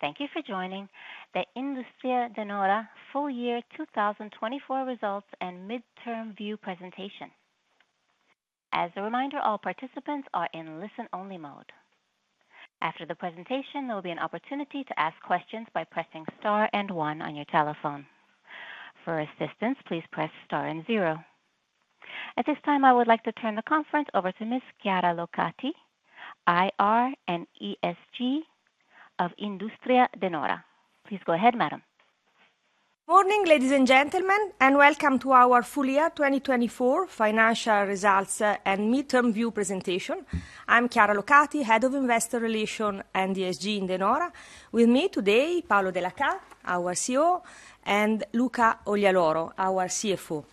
Thank you for joining the Industrie De Nora full year 2024 results and midterm view presentation. As a reminder, all participants are in listen-only mode. After the presentation, there will be an opportunity to ask questions by pressing star and one on your telephone. For assistance, please press star and zero. At this time, I would like to turn the conference over to Ms. Chiara Locati, IR and ESG, of Industrie De Nora. Please go ahead, madam. Good morning, ladies and gentlemen, and welcome to our full year 2024 financial results and midterm view presentation. I'm Chiara Locati, Head of Investor Relations and ESG in De Nora. With me today, Paolo Dellachà, our CEO, and Luca Oglialoro, our CFO.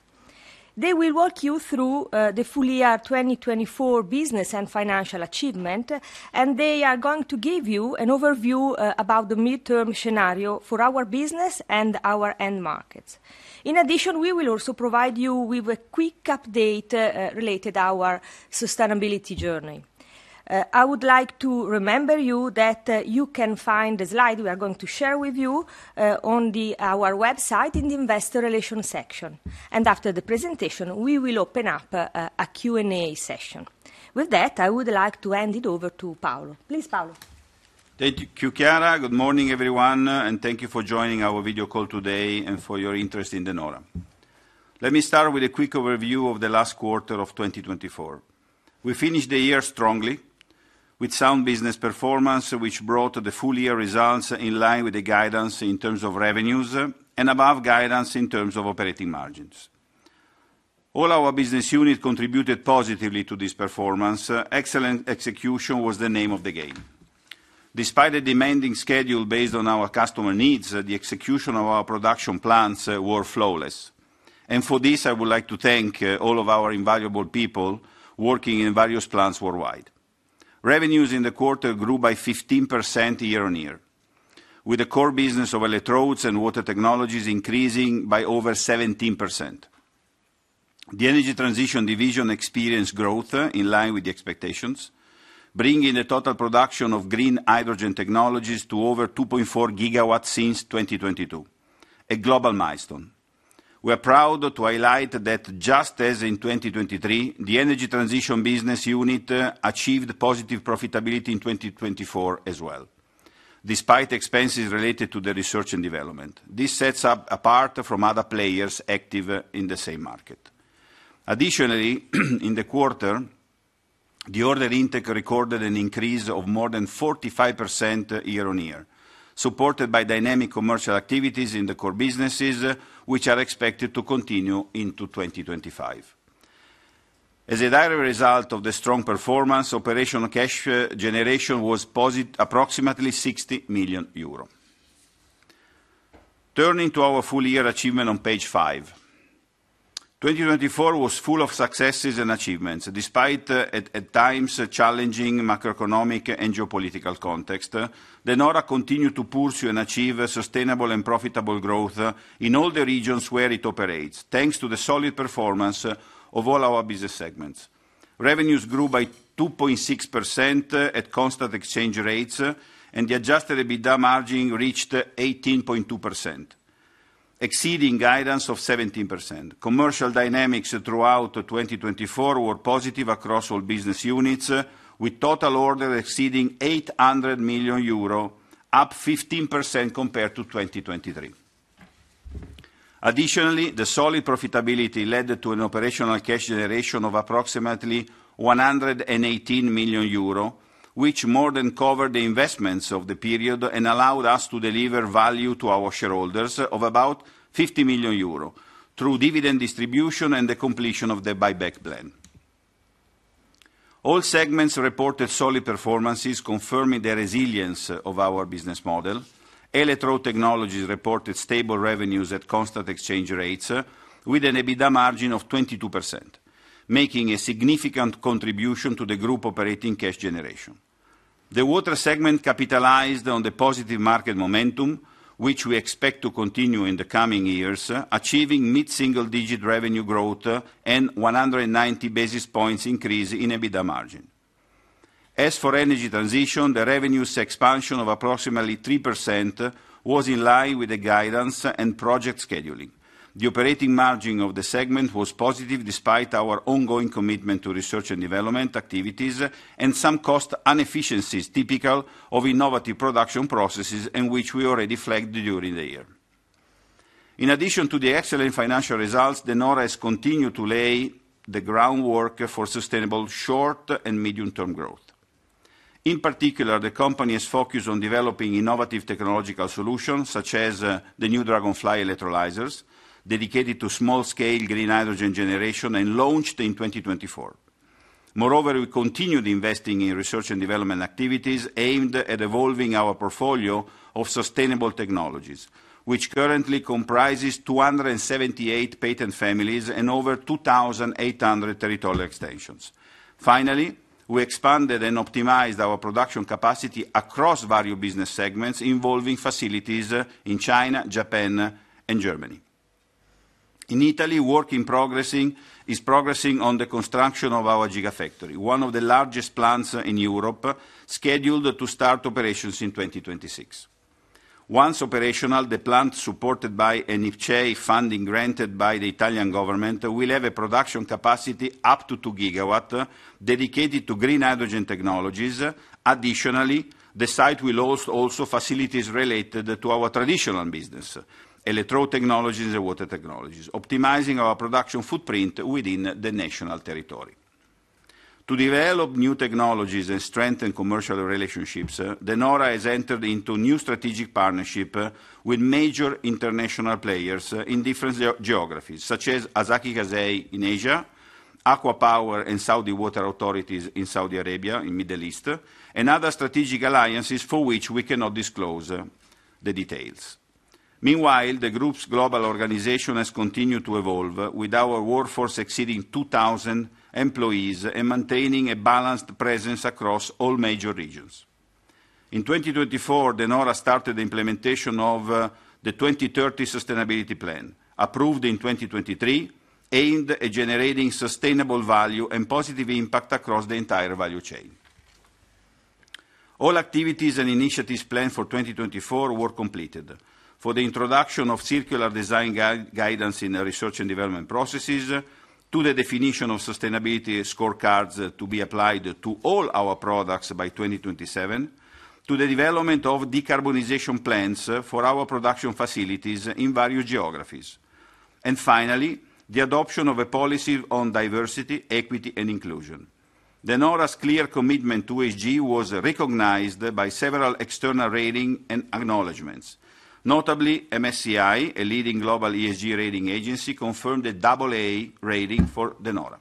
They will walk you through the full year 2024 business and financial achievement, and they are going to give you an overview about the midterm scenario for our business and our end markets. In addition, we will also provide you with a quick update related to our sustainability journey. I would like to remind you that you can find the slide we are going to share with you on our website in the investor relations section. After the presentation, we will open up a Q&A session. With that, I would like to hand it over to Paolo. Please, Paolo. Thank you, Chiara. Good morning, everyone, and thank you for joining our video call today and for your interest in De Nora. Let me start with a quick overview of the last quarter of 2024. We finished the year strongly with sound business performance, which brought the full year results in line with the guidance in terms of revenues and above guidance in terms of operating margins. All our business units contributed positively to this performance. Excellent execution was the name of the game. Despite a demanding schedule based on our customer needs, the execution of our production plants was flawless. For this, I would like to thank all of our invaluable people working in various plants worldwide. Revenues in the quarter grew by 15% year on year, with the core business of electronics and water technologies increasing by over 17%. The energy transition division experienced growth in line with expectations, bringing the total production of green hydrogen technologies to over 2.4 GW since 2022, a global milestone. We are proud to highlight that, just as in 2023, the energy transition business unit achieved positive profitability in 2024 as well, despite expenses related to research and development. This sets us apart from other players active in the same market. Additionally, in the quarter, the order intake recorded an increase of more than 45% year on year, supported by dynamic commercial activities in the core businesses, which are expected to continue into 2025. As a direct result of the strong performance, operational cash generation was positive at 60 million euro. Turning to our full year achievement on page five, 2024 was full of successes and achievements. Despite at times challenging macroeconomic and geopolitical contexts, De Nora continued to pursue and achieve sustainable and profitable growth in all the regions where it operates, thanks to the solid performance of all our business segments. Revenues grew by 2.6% at constant exchange rates, and the Adjusted EBITDA margin reached 18.2%, exceeding guidance of 17%. Commercial dynamics throughout 2024 were positive across all business units, with total orders exceeding 800 million euro, up 15% compared to 2023. Additionally, the solid profitability led to an operational cash generation of approximately 118 million euro, which more than covered the investments of the period and allowed us to deliver value to our shareholders of about 50 million euro through dividend distribution and the completion of the buyback plan. All segments reported solid performances, confirming the resilience of our business model. Electro technologies reported stable revenues at constant exchange rates, with an EBITDA margin of 22%, making a significant contribution to the group operating cash generation. The water segment capitalized on the positive market momentum, which we expect to continue in the coming years, achieving mid-single-digit revenue growth and 190 basis points increase in EBITDA margin. As for energy transition, the revenue expansion of approximately 3% was in line with the guidance and project scheduling. The operating margin of the segment was positive despite our ongoing commitment to research and development activities and some cost inefficiencies typical of innovative production processes which we already flagged during the year. In addition to the excellent financial results, De Nora has continued to lay the groundwork for sustainable short and medium-term growth. In particular, the company has focused on developing innovative technological solutions, such as the new Dragonfly electrolyzers, dedicated to small-scale green hydrogen generation and launched in 2024. Moreover, we continued investing in research and development activities aimed at evolving our portfolio of sustainable technologies, which currently comprises 278 patent families and over 2,800 territorial extensions. Finally, we expanded and optimized our production capacity across various business segments involving facilities in China, Japan, and Germany. In Italy, work is progressing on the construction of our Gigafactory, one of the largest plants in Europe, scheduled to start operations in 2026. Once operational, the plant, supported by an IPCEI funding granted by the Italian government, will have a production capacity up to 2 GW dedicated to green hydrogen technologies. Additionally, the site will host also facilities related to our traditional business, electro technologies and water technologies, optimizing our production footprint within the national territory. To develop new technologies and strengthen commercial relationships, De Nora has entered into new strategic partnerships with major international players in different geographies, such as Asahi Kasei in Asia, ACWA Power and Saudi Water Authority in Saudi Arabia, in the Middle East, and other strategic alliances for which we cannot disclose the details. Meanwhile, the group's global organization has continued to evolve, with our workforce exceeding 2,000 employees and maintaining a balanced presence across all major regions. In 2024, De Nora started the implementation of the 2030 Sustainability Plan, approved in 2023, aimed at generating sustainable value and positive impact across the entire value chain. All activities and initiatives planned for 2024 were completed for the introduction of circular design guidance in research and development processes, to the definition of sustainability scorecards to be applied to all our products by 2027, to the development of decarbonization plans for our production facilities in various geographies. Finally, the adoption of a policy on diversity, equity, and inclusion. De Nora's clear commitment to ESG was recognized by several external ratings and acknowledgments. Notably, MSCI, a leading global ESG rating agency, confirmed the double-A rating for De Nora.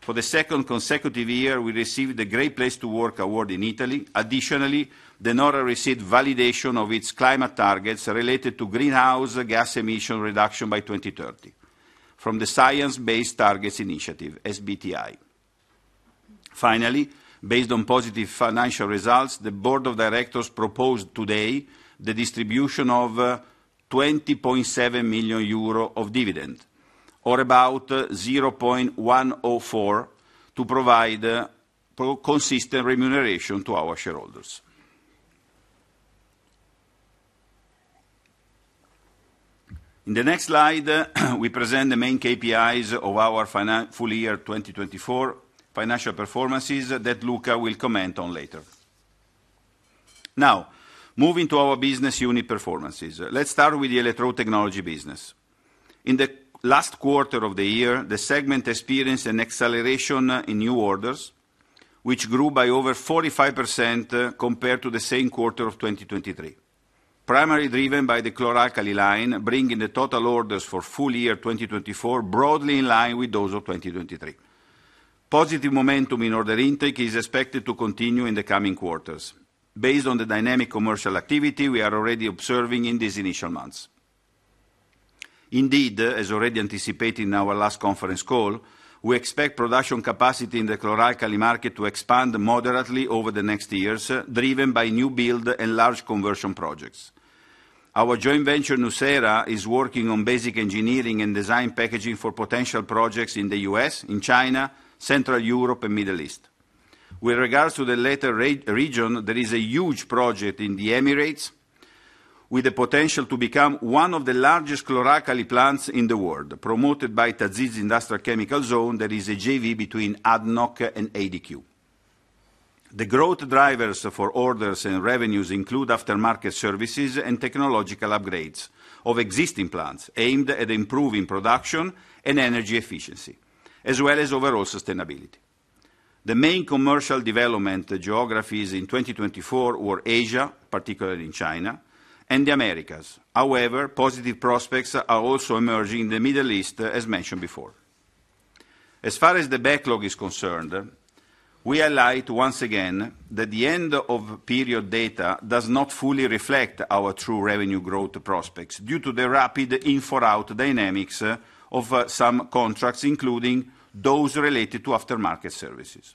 For the second consecutive year, we received the Great Place to Work award in Italy. Additionally, De Nora received validation of its climate targets related to greenhouse gas emission reduction by 2030 from the Science Based Targets Initiative, SBTI. Finally, based on positive financial results, the Board of Directors proposed today the distribution of 20.7 million euro of dividend, or about 0.104, to provide consistent remuneration to our shareholders. In the next slide, we present the main KPIs of our full year 2024 financial performances that Luca will comment on later. Now, moving to our business unit performances, let's start with the electro technology business. In the last quarter of the year, the segment experienced an acceleration in new orders, which grew by over 45% compared to the same quarter of 2023, primarily driven by the chlorhexidine line, bringing the total orders for full year 2024 broadly in line with those of 2023. Positive momentum in order intake is expected to continue in the coming quarters, based on the dynamic commercial activity we are already observing in these initial months. Indeed, as already anticipated in our last conference call, we expect production capacity in the chloralkali market to expand moderately over the next years, driven by new build and large conversion projects. Our joint venture, Nucera, is working on basic engineering and design packaging for potential projects in the U.S., in China, Central Europe, and the Middle East. With regards to the latter region, there is a huge project in the Emirates with the potential to become one of the largest chloralkali plants in the world, promoted by TA’ZIZ Industrial Chemical Zone, that is a JV between ADNOC and ADQ. The growth drivers for orders and revenues include aftermarket services and technological upgrades of existing plants aimed at improving production and energy efficiency, as well as overall sustainability. The main commercial development geographies in 2024 were Asia, particularly in China, and the Americas. However, positive prospects are also emerging in the Middle East, as mentioned before. As far as the backlog is concerned, we highlight once again that the end-of-period data does not fully reflect our true revenue growth prospects due to the rapid in-for-out dynamics of some contracts, including those related to aftermarket services.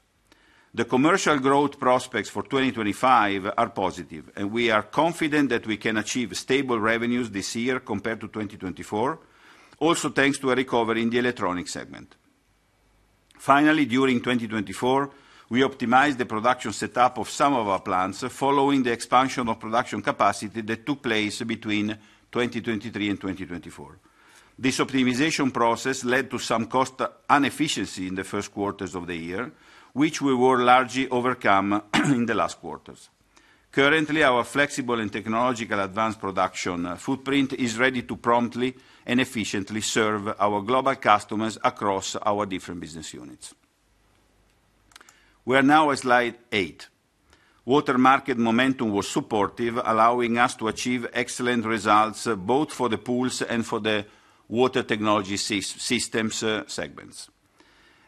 The commercial growth prospects for 2025 are positive, and we are confident that we can achieve stable revenues this year compared to 2024, also thanks to a recovery in the electronics segment. Finally, during 2024, we optimized the production setup of some of our plants following the expansion of production capacity that took place between 2023 and 2024. This optimization process led to some cost inefficiency in the first quarters of the year, which we will largely overcome in the last quarters. Currently, our flexible and technologically advanced production footprint is ready to promptly and efficiently serve our global customers across our different business units. We are now at slide eight. Water market momentum was supportive, allowing us to achieve excellent results both for the pools and for the water technology systems segments.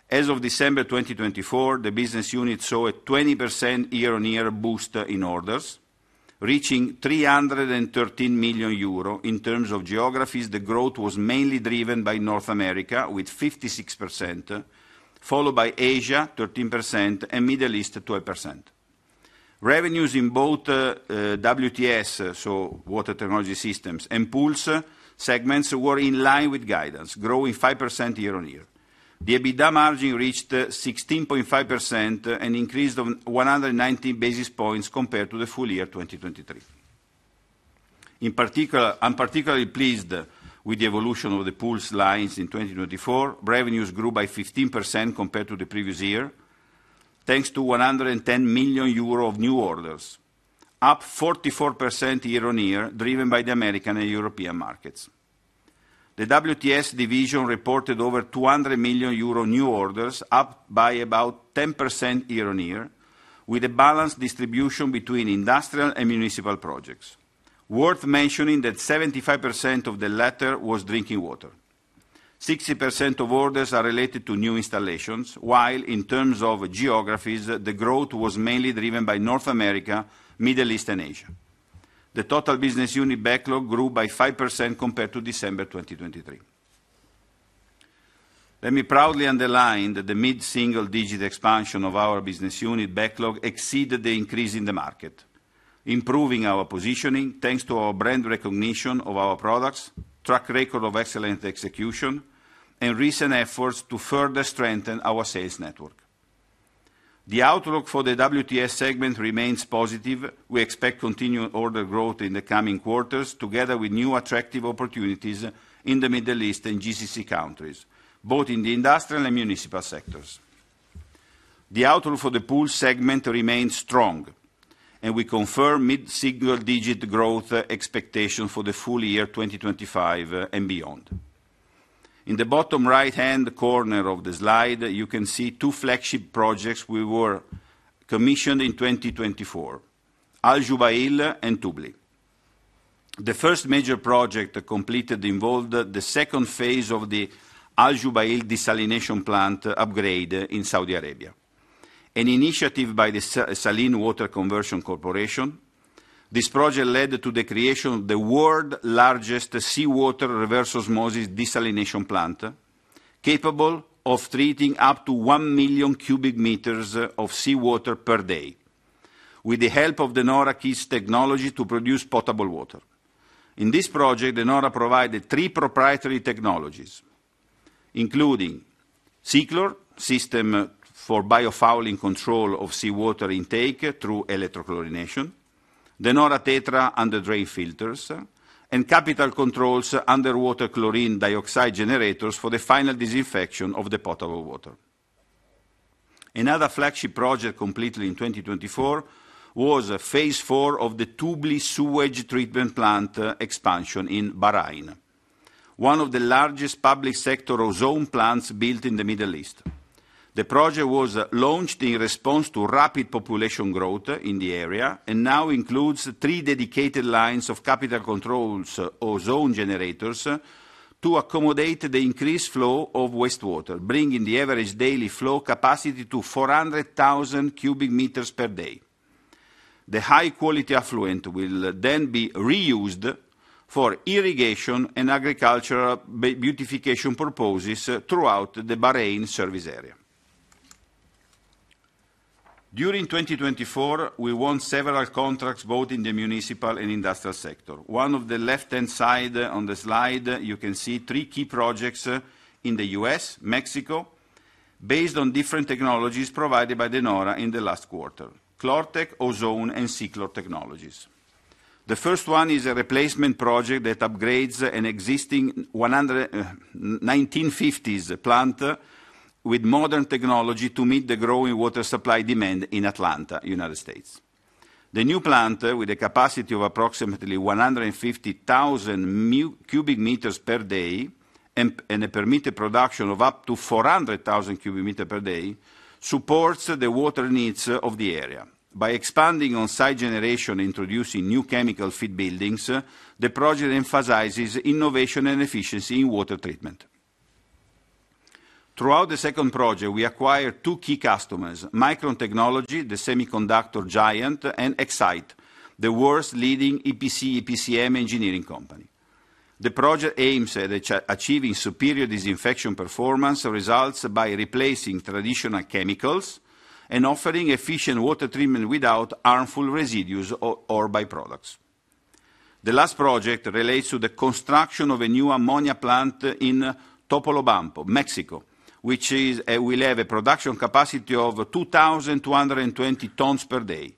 As of December 2024, the business unit saw a 20% year-on-year boost in orders, reaching 313 million euro. In terms of geographies, the growth was mainly driven by North America, with 56%, followed by Asia, 13%, and the Middle East, 12%. Revenues in both WTS, so water technology systems, and pools segments were in line with guidance, growing 5% year-on-year. The EBITDA margin reached 16.5% and increased 119 basis points compared to the full year 2023. In particular, I'm particularly pleased with the evolution of the pools lines in 2024. Revenues grew by 15% compared to the previous year, thanks to 110 million euro of new orders, up 44% year-on-year, driven by the American and European markets. The WTS division reported over 200 million euro new orders, up by about 10% year-on-year, with a balanced distribution between industrial and municipal projects. Worth mentioning that 75% of the latter was drinking water. 60% of orders are related to new installations, while in terms of geographies, the growth was mainly driven by North America, the Middle East, and Asia. The total business unit backlog grew by 5% compared to December 2023. Let me proudly underline that the mid-single-digit expansion of our business unit backlog exceeded the increase in the market, improving our positioning thanks to our brand recognition of our products, a track record of excellent execution, and recent efforts to further strengthen our sales network. The outlook for the WTS segment remains positive. We expect continued order growth in the coming quarters, together with new attractive opportunities in the Middle East and GCC countries, both in the industrial and municipal sectors. The outlook for the pools segment remains strong, and we confirm mid-single-digit growth expectations for the full year 2025 and beyond. In the bottom right-hand corner of the slide, you can see two flagship projects we were commissioned in 2024: Al Jubail and Tubli. The first major project completed involved the second phase of the Al Jubail desalination plant upgrade in Saudi Arabia, an initiative by the Saline Water Conversion Corporation. This project led to the creation of the world's largest seawater reverse osmosis desalination plant, capable of treating up to 1 million cubic meters of seawater per day, with the help of De Nora's technology to produce potable water. In this project, De Nora provided three proprietary technologies, including SEACLOR, a system for biofouling control of seawater intake through electrochlorination, De Nora Tetra under drain filters, and Capital Controls underwater chlorine dioxide generators for the final disinfection of the potable water. Another flagship project completed in 2024 was phase four of the Tubli sewage treatment plant expansion in Bahrain, one of the largest public sector ozone plants built in the Middle East. The project was launched in response to rapid population growth in the area and now includes three dedicated lines of Capital Controls ozone generators to accommodate the increased flow of wastewater, bringing the average daily flow capacity to 400,000 cubic meters per day. The high-quality effluent will then be reused for irrigation and agricultural beautification purposes throughout the Bahrain service area. During 2024, we won several contracts both in the municipal and industrial sector. On the left-hand side on the slide, you can see three key projects in the U.S. and Mexico, based on different technologies provided by De Nora in the last quarter: ClorTec, ozone, and SEACLOR technologies. The first one is a replacement project that upgrades an existing 1950s plant with modern technology to meet the growing water supply demand in Atlanta, United States. The new plant, with a capacity of approximately 150,000 cubic meters per day and a permitted production of up to 400,000 cubic meters per day, supports the water needs of the area. By expanding on-site generation and introducing new chemical feed buildings, the project emphasizes innovation and efficiency in water treatment. Throughout the second project, we acquired two key customers: Micron Technology, the semiconductor giant, and Exyte, the world's leading EPC/EPCM engineering company. The project aims at achieving superior disinfection performance results by replacing traditional chemicals and offering efficient water treatment without harmful residues or byproducts. The last project relates to the construction of a new ammonia plant in Topolobampo, Mexico, which will have a production capacity of 2,220 tons per day.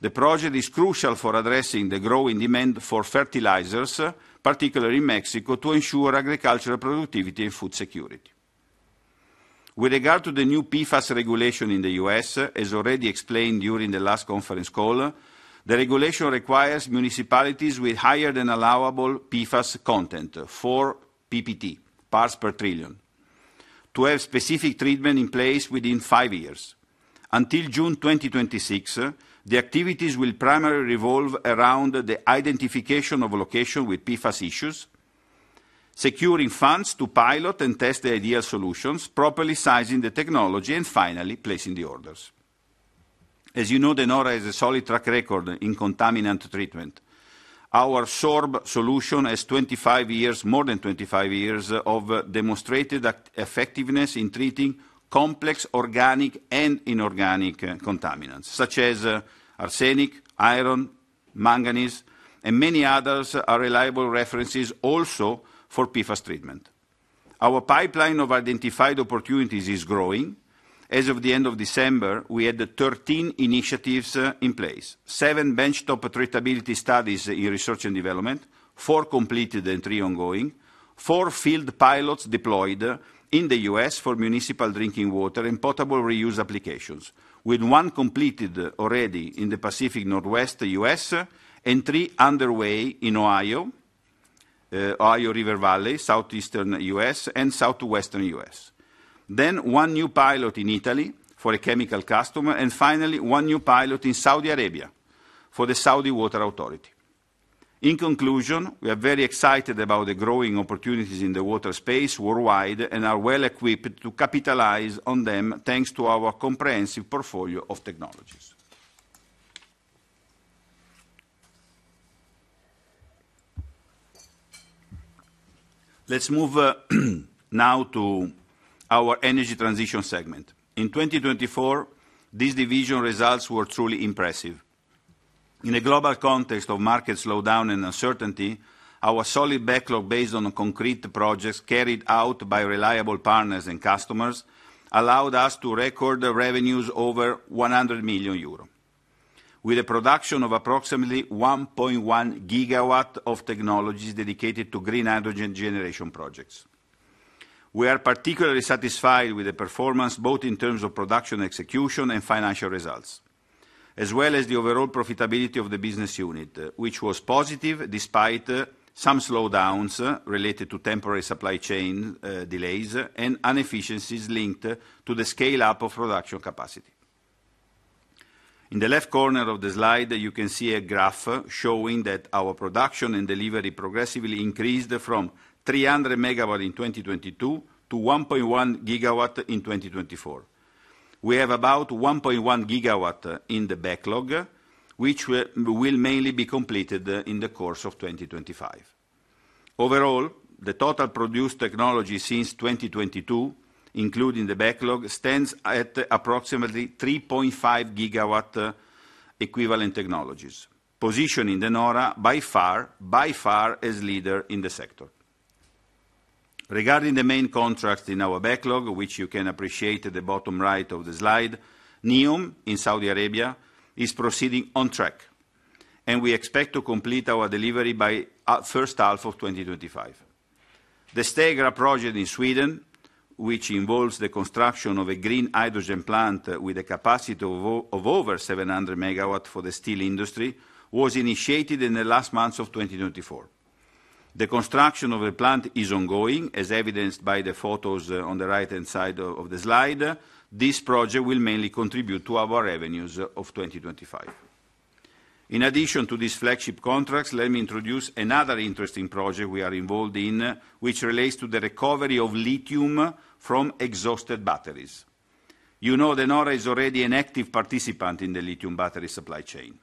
The project is crucial for addressing the growing demand for fertilizers, particularly in Mexico, to ensure agricultural productivity and food security. With regard to the new PFAS regulation in the U.S., as already explained during the last conference call, the regulation requires municipalities with higher than allowable PFAS content 4 ppt, parts per trillion, to have specific treatment in place within five years. Until June 2026, the activities will primarily revolve around the identification of locations with PFAS issues, securing funds to pilot and test the ideal solutions, properly sizing the technology, and finally placing the orders. As you know, De Nora has a solid track record in contaminant treatment. Our SORB solution has more than 25 years of demonstrated effectiveness in treating complex organic and inorganic contaminants, such as arsenic, iron, manganese, and many others, are reliable references also for PFAS treatment. Our pipeline of identified opportunities is growing. As of the end of December, we had 13 initiatives in place: seven benchtop treatability studies in research and development, four completed and three ongoing, four field pilots deployed in the U.S. for municipal drinking water and potable reuse applications, with one completed already in the Pacific Northwest, U.S., and three underway in Ohio, Ohio River Valley, southeastern U.S., and southwestern U.S. One new pilot in Italy for a chemical customer, and finally one new pilot in Saudi Arabia for the Saudi Water Authority. In conclusion, we are very excited about the growing opportunities in the water space worldwide and are well equipped to capitalize on them thanks to our comprehensive portfolio of technologies. Let's move now to our energy transition segment. In 2024, this division results were truly impressive. In a global context of market slowdown and uncertainty, our solid backlog based on concrete projects carried out by reliable partners and customers allowed us to record revenues over 100 million euro with a production of approximately 1.1 GW of technologies dedicated to green hydrogen generation projects. We are particularly satisfied with the performance both in terms of production execution and financial results, as well as the overall profitability of the business unit, which was positive despite some slowdowns related to temporary supply chain delays and inefficiencies linked to the scale-up of production capacity. In the left corner of the slide, you can see a graph showing that our production and delivery progressively increased from 300 MW in 2022 to 1.1 GW in 2024. We have about 1.1 GW in the backlog, which will mainly be completed in the course of 2025. Overall, the total produced technology since 2022, including the backlog, stands at approximately 3.5 GW equivalent technologies, positioning De Nora by far as leader in the sector. Regarding the main contracts in our backlog, which you can appreciate at the bottom right of the slide, NEOM in Saudi Arabia is proceeding on track, and we expect to complete our delivery by the first half of 2025. The STEGRA project in Sweden, which involves the construction of a green hydrogen plant with a capacity of over 700 megawatts for the steel industry, was initiated in the last months of 2024. The construction of the plant is ongoing, as evidenced by the photos on the right-hand side of the slide. This project will mainly contribute to our revenues of 2025. In addition to these flagship contracts, let me introduce another interesting project we are involved in, which relates to the recovery of lithium from exhausted batteries. You know De Nora is already an active participant in the lithium battery supply chain,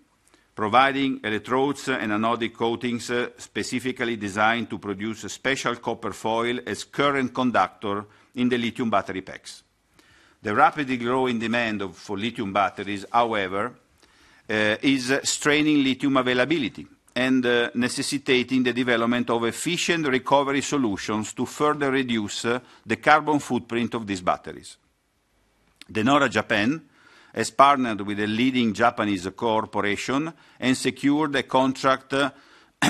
providing electrodes and anodic coatings specifically designed to produce a special copper foil as a current conductor in the lithium battery packs. The rapidly growing demand for lithium batteries, however, is straining lithium availability and necessitating the development of efficient recovery solutions to further reduce the carbon footprint of these batteries. De Nora Japan has partnered with a leading Japanese corporation and secured a contract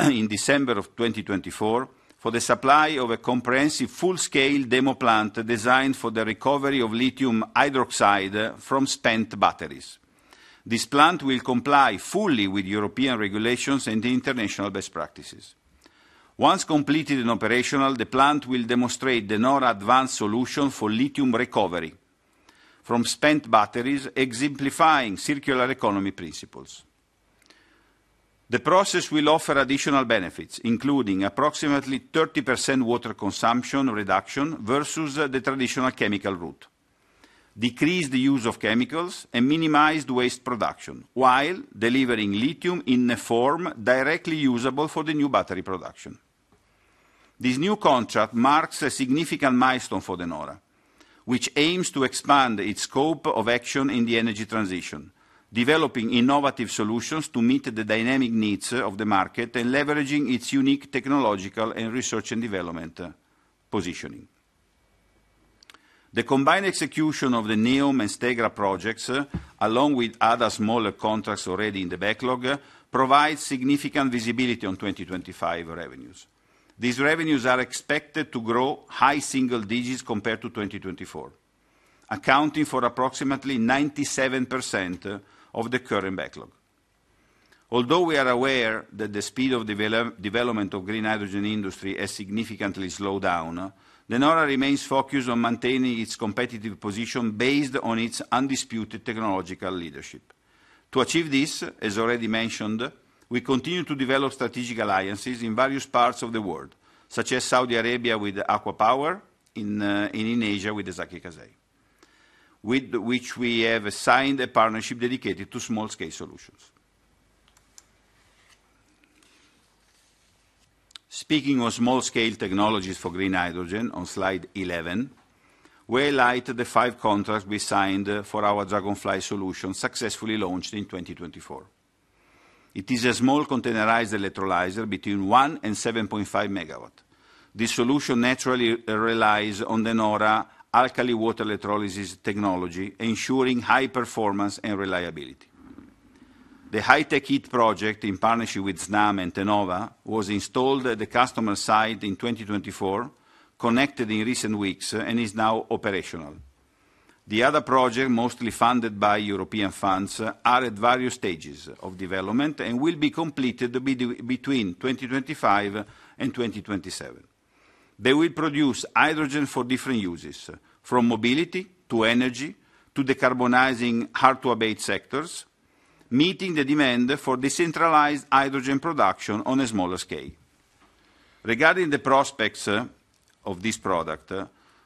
in December of 2024 for the supply of a comprehensive full-scale demo plant designed for the recovery of lithium hydroxide from spent batteries. This plant will comply fully with European regulations and international best practices. Once completed and operational, the plant will demonstrate De Nora's advanced solution for lithium recovery from spent batteries, exemplifying circular economy principles. The process will offer additional benefits, including approximately 30% water consumption reduction versus the traditional chemical route, decreased use of chemicals, and minimized waste production, while delivering lithium in a form directly usable for the new battery production. This new contract marks a significant milestone for De Nora, which aims to expand its scope of action in the energy transition, developing innovative solutions to meet the dynamic needs of the market and leveraging its unique technological and research and development positioning. The combined execution of the NEOM and STEGRA projects, along with other smaller contracts already in the backlog, provides significant visibility on 2025 revenues. These revenues are expected to grow high single digits compared to 2024, accounting for approximately 97% of the current backlog. Although we are aware that the speed of development of the green hydrogen industry has significantly slowed down, De Nora remains focused on maintaining its competitive position based on its undisputed technological leadership. To achieve this, as already mentioned, we continue to develop strategic alliances in various parts of the world, such as Saudi Arabia with ACWA Power, and in Asia with Asahi Kasei, with which we have signed a partnership dedicated to small-scale solutions. Speaking of small-scale technologies for green hydrogen, on slide 11, we highlight the five contracts we signed for our Dragonfly solution, successfully launched in 2024. It is a small containerized electrolyzer between 1 and 7.5 MW. This solution naturally relies on De Nora's alkaline water electrolysis technology, ensuring high performance and reliability. The HyTecHeat project, in partnership with SNAM and TENOVA, was installed at the customer site in 2024, connected in recent weeks, and is now operational. The other projects, mostly funded by European funds, are at various stages of development and will be completed between 2025 and 2027. They will produce hydrogen for different uses, from mobility to energy to decarbonizing hard-to-abate sectors, meeting the demand for decentralized hydrogen production on a smaller scale. Regarding the prospects of this product,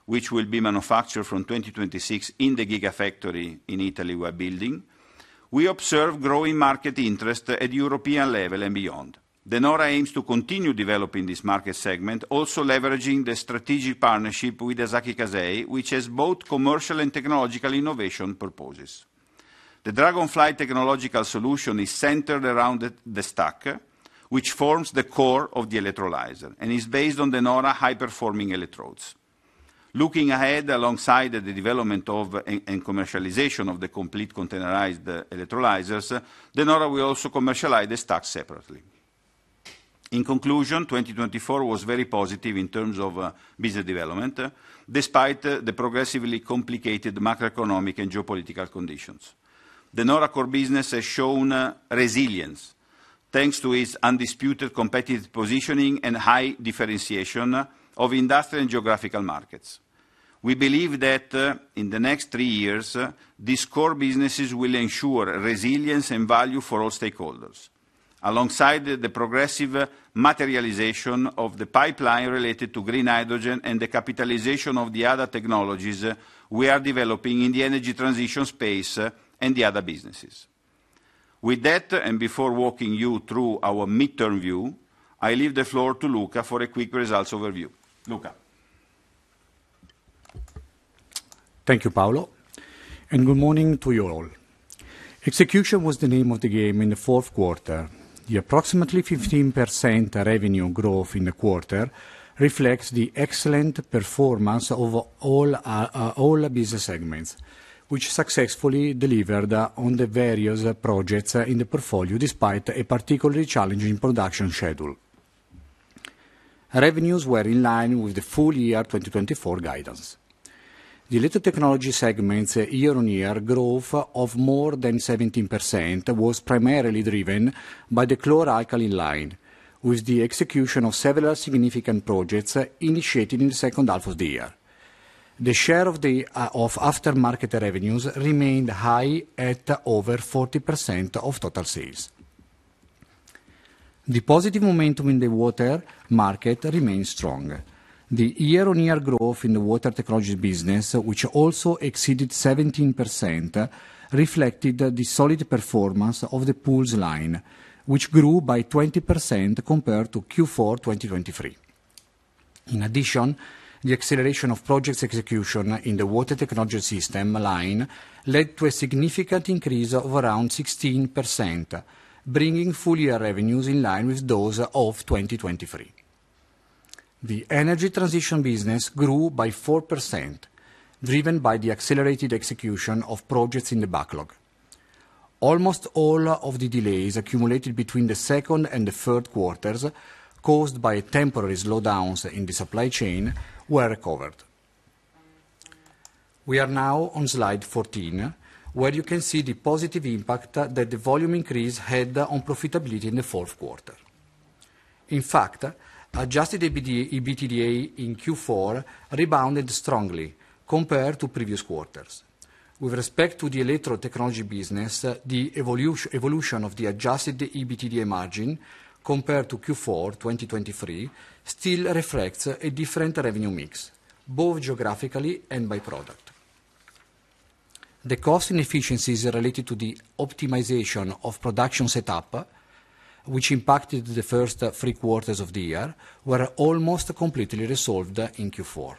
which will be manufactured from 2026 in the Gigafactory in Italy we are building, we observe growing market interest at the European level and beyond. De Nora aims to continue developing this market segment, also leveraging the strategic partnership with Asahi Kasei, which has both commercial and technological innovation purposes. The Dragonfly technological solution is centered around the stack, which forms the core of the electrolyzer and is based on De Nora high-performing electrodes. Looking ahead alongside the development and commercialization of the complete containerized electrolyzers, De Nora will also commercialize the stack separately. In conclusion, 2024 was very positive in terms of business development, despite the progressively complicated macroeconomic and geopolitical conditions. De Nora's core business has shown resilience thanks to its undisputed competitive positioning and high differentiation of industrial and geographical markets. We believe that in the next three years, these core businesses will ensure resilience and value for all stakeholders. Alongside the progressive materialization of the pipeline related to green hydrogen and the capitalization of the other technologies we are developing in the energy transition space and the other businesses. With that, and before walking you through our midterm view, I leave the floor to Luca for a quick results overview. Luca. Thank you, Paolo, and good morning to you all. Execution was the name of the game in the fourth quarter. The approximately 15% revenue growth in the quarter reflects the excellent performance of all business segments, which successfully delivered on the various projects in the portfolio despite a particularly challenging production schedule. Revenues were in line with the full year 2024 guidance. The little technology segment's year-on-year growth of more than 17% was primarily driven by the chloralkali line, with the execution of several significant projects initiated in the second half of the year. The share of after-market revenues remained high at over 40% of total sales. The positive momentum in the water market remained strong. The year-on-year growth in the water technology business, which also exceeded 17%, reflected the solid performance of the pools line, which grew by 20% compared to Q4 2023. In addition, the acceleration of projects execution in the water technology system line led to a significant increase of around 16%, bringing full-year revenues in line with those of 2023. The energy transition business grew by 4%, driven by the accelerated execution of projects in the backlog. Almost all of the delays accumulated between the second and the third quarters, caused by temporary slowdowns in the supply chain, were recovered. We are now on slide 14, where you can see the positive impact that the volume increase had on profitability in the fourth quarter. In fact, Adjusted EBITDA in Q4 rebounded strongly compared to previous quarters. With respect to the electrical technology business, the evolution of the Adjusted EBITDA margin compared to Q4 2023 still reflects a different revenue mix, both geographically and by product. The cost inefficiencies related to the optimization of production setup, which impacted the first three quarters of the year, were almost completely resolved in Q4.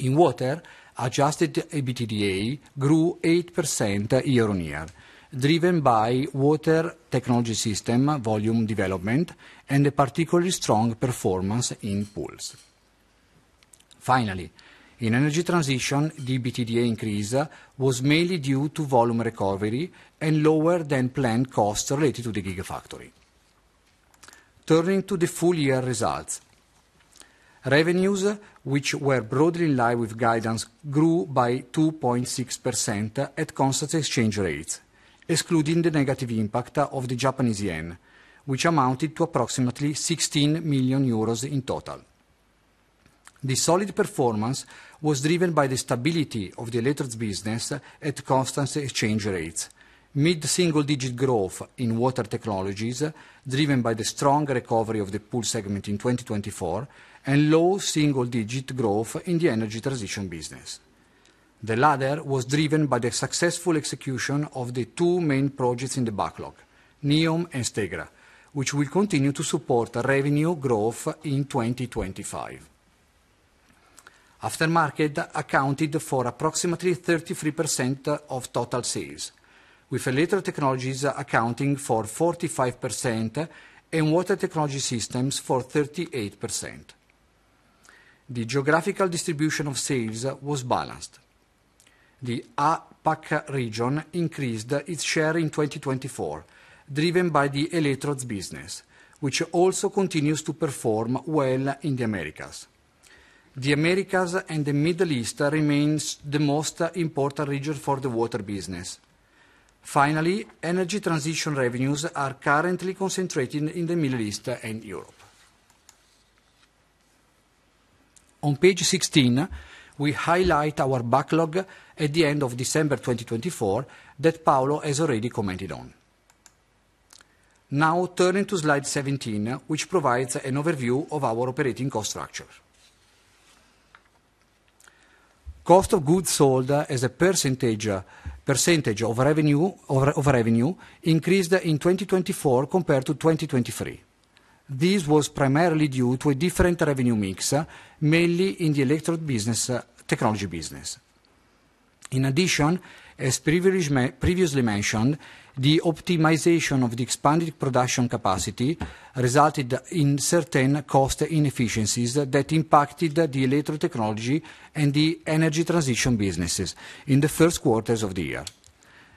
In water, Adjusted EBITDA grew 8% year-on-year, driven by water technology system volume development and a particularly strong performance in pools. Finally, in energy transition, the EBITDA increase was mainly due to volume recovery and lower than planned costs related to the Gigafactory. Turning to the full-year results, revenues, which were broadly in line with guidance, grew by 2.6% at constant exchange rates, excluding the negative impact of the Japanese yen, which amounted to approximately 16 million euros in total. The solid performance was driven by the stability of the electrolyzer business at constant exchange rates, mid-single-digit growth in water technologies driven by the strong recovery of the pool segment in 2024, and low single-digit growth in the energy transition business. The latter was driven by the successful execution of the two main projects in the backlog, NEOM and STEGRA, which will continue to support revenue growth in 2025. After-market accounted for approximately 33% of total sales, with electrical technologies accounting for 45% and water technology systems for 38%. The geographical distribution of sales was balanced. The APAC region increased its share in 2024, driven by the electrolyzer business, which also continues to perform well in the Americas. The Americas and the Middle East remain the most important region for the water business. Finally, energy transition revenues are currently concentrated in the Middle East and Europe. On page 16, we highlight our backlog at the end of December 2024 that Paolo has already commented on. Now, turning to slide 17, which provides an overview of our operating cost structure. Cost of goods sold as a percentage of revenue increased in 2024 compared to 2023. This was primarily due to a different revenue mix, mainly in the electrolyzer technology business. In addition, as previously mentioned, the optimization of the expanded production capacity resulted in certain cost inefficiencies that impacted the electrochemical technology and the energy transition businesses in the first quarters of the year.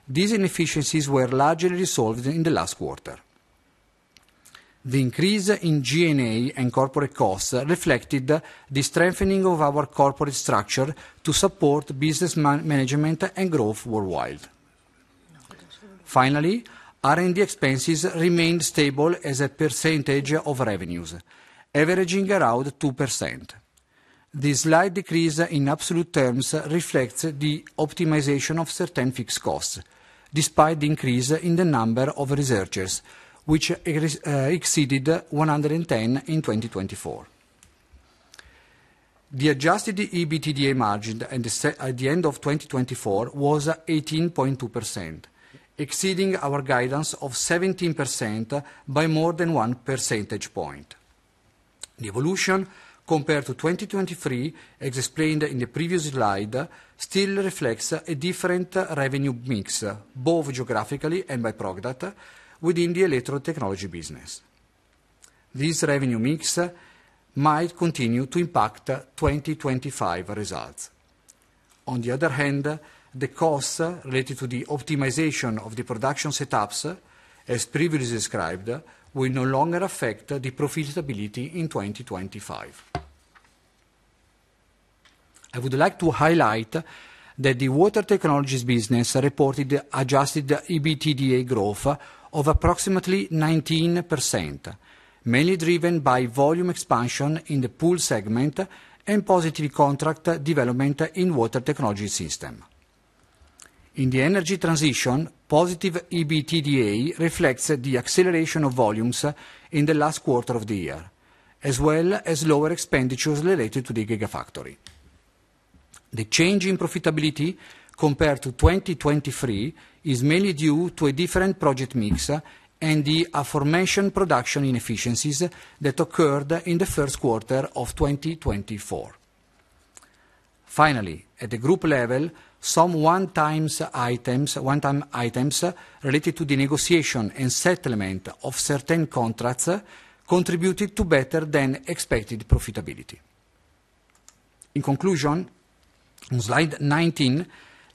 These inefficiencies were largely resolved in the last quarter. The increase in G&A and corporate costs reflected the strengthening of our corporate structure to support business management and growth worldwide. Finally, R&D expenses remained stable as a percentage of revenues, averaging around 2%. This slight decrease in absolute terms reflects the optimization of certain fixed costs, despite the increase in the number of researchers, which exceeded 110 in 2024. The Adjusted EBITDA margin at the end of 2024 was 18.2%, exceeding our guidance of 17% by more than one percentage point. The evolution compared to 2023, as explained in the previous slide, still reflects a different revenue mix, both geographically and by product, within the electrochemical technology business. This revenue mix might continue to impact 2025 results. On the other hand, the costs related to the optimization of the production setups, as previously described, will no longer affect the profitability in 2025. I would like to highlight that the water technology business reported adjusted EBITDA growth of approximately 19%, mainly driven by volume expansion in the pool segment and positive contract development in water technology systems. In the energy transition, positive EBITDA reflects the acceleration of volumes in the last quarter of the year, as well as lower expenditures related to the Gigafactory. The change in profitability compared to 2023 is mainly due to a different project mix and the aforementioned production inefficiencies that occurred in the first quarter of 2024. Finally, at the group level, some one-time items related to the negotiation and settlement of certain contracts contributed to better-than-expected profitability. In conclusion, on slide 19,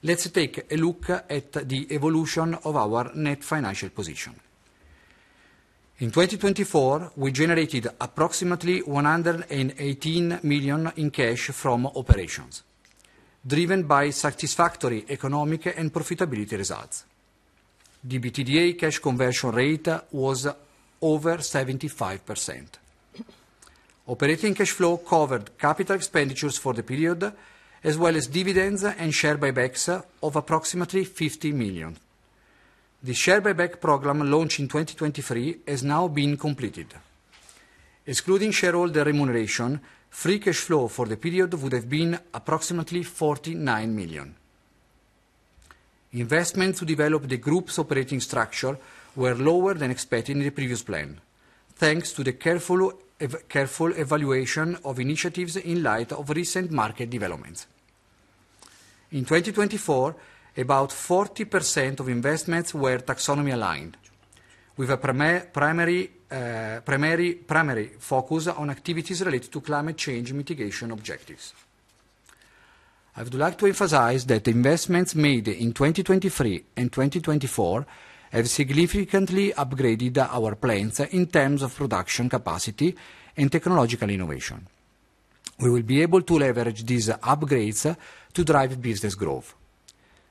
let's take a look at the evolution of our net financial position. In 2024, we generated approximately 118 million in cash from operations, driven by satisfactory economic and profitability results. The EBITDA cash conversion rate was over 75%. Operating cash flow covered capital expenditures for the period, as well as dividends and share buybacks of approximately 50 million. The share buyback program launched in 2023 has now been completed. Excluding shareholder remuneration, free cash flow for the period would have been approximately 49 million. Investments to develop the group's operating structure were lower than expected in the previous plan, thanks to the careful evaluation of initiatives in light of recent market developments. In 2024, about 40% of investments were taxonomy-aligned, with a primary focus on activities related to climate change mitigation objectives. I would like to emphasize that the investments made in 2023 and 2024 have significantly upgraded our plans in terms of production capacity and technological innovation. We will be able to leverage these upgrades to drive business growth.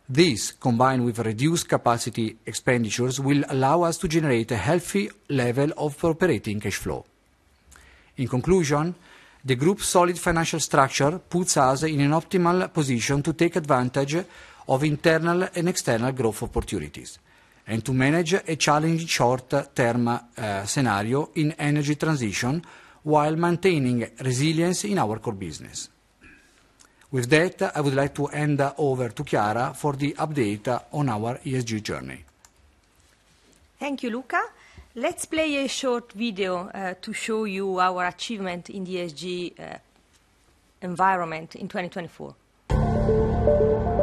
This, combined with reduced capacity expenditures, will allow us to generate a healthy level of operating cash flow. In conclusion, the group's solid financial structure puts us in an optimal position to take advantage of internal and external growth opportunities and to manage a challenging short-term scenario in energy transition while maintaining resilience in our core business. With that, I would like to hand over to Chiara for the update on our ESG journey. Thank you, Luca. Let's play a short video to show you our achievement in the ESG environment in 2024.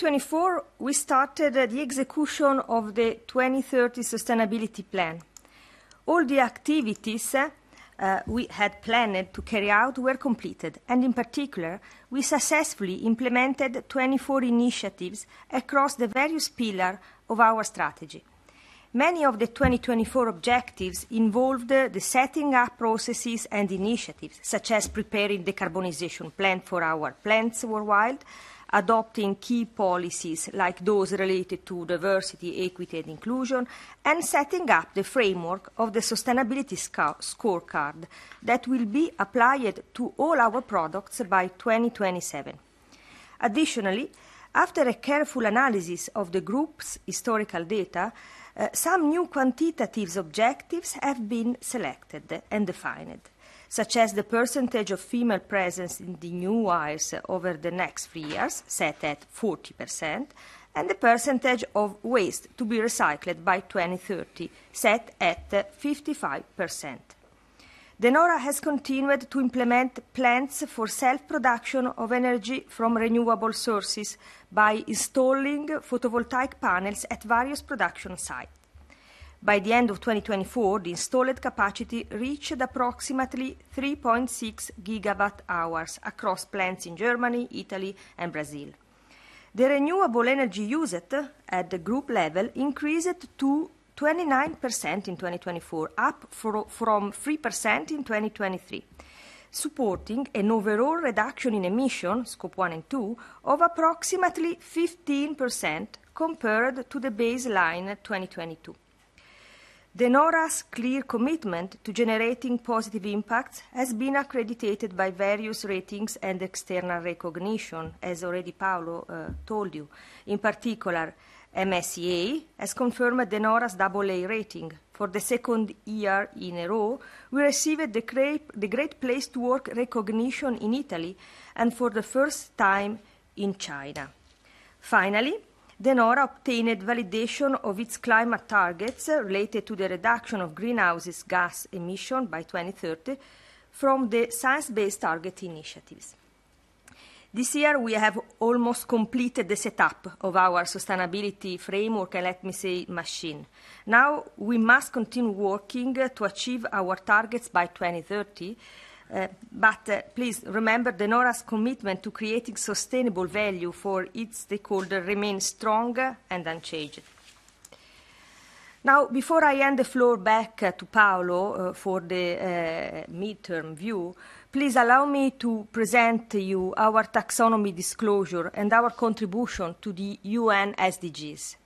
In 2024, we started the execution of the 2030 Sustainability Plan. All the activities we had planned to carry out were completed, and in particular, we successfully implemented 24 initiatives across the various pillars of our strategy. Many of the 2024 objectives involved the setting up processes and initiatives, such as preparing the carbonization plan for our plants worldwide, adopting key policies like those related to diversity, equity, and inclusion, and setting up the framework of the sustainability scorecard that will be applied to all our products by 2027. Additionally, after a careful analysis of the group's historical data, some new quantitative objectives have been selected and defined, such as the percentage of female presence in the new hires over the next three years, set at 40%, and the percentage of waste to be recycled by 2030, set at 55%. De Nora has continued to implement plans for self-production of energy from renewable sources by installing photovoltaic panels at various production sites. By the end of 2024, the installed capacity reached approximately 3.6 GWh across plants in Germany, Italy, and Brazil. The renewable energy use at the group level increased to 29% in 2024, up from 3% in 2023, supporting an overall reduction in emissions, scope 1 and 2, of approximately 15% compared to the baseline 2022. De Nora's clear commitment to generating positive impacts has been accredited by various ratings and external recognition, as already Paolo told you. In particular, MSCI has confirmed De Nora's AA rating for the second year in a row. We received the Great Place to Work recognition in Italy and for the first time in China. Finally, De Nora obtained validation of its climate targets related to the reduction of greenhouse gas emissions by 2030 from the Science Based Targets Initiative. This year, we have almost completed the setup of our sustainability framework, and let me say, machine. Now, we must continue working to achieve our targets by 2030. Please remember De Nora's commitment to creating sustainable value for its stakeholders remains strong and unchanged. Now, before I hand the floor back to Paolo for the midterm view, please allow me to present to you our taxonomy disclosure and our contribution to the UN SDGs.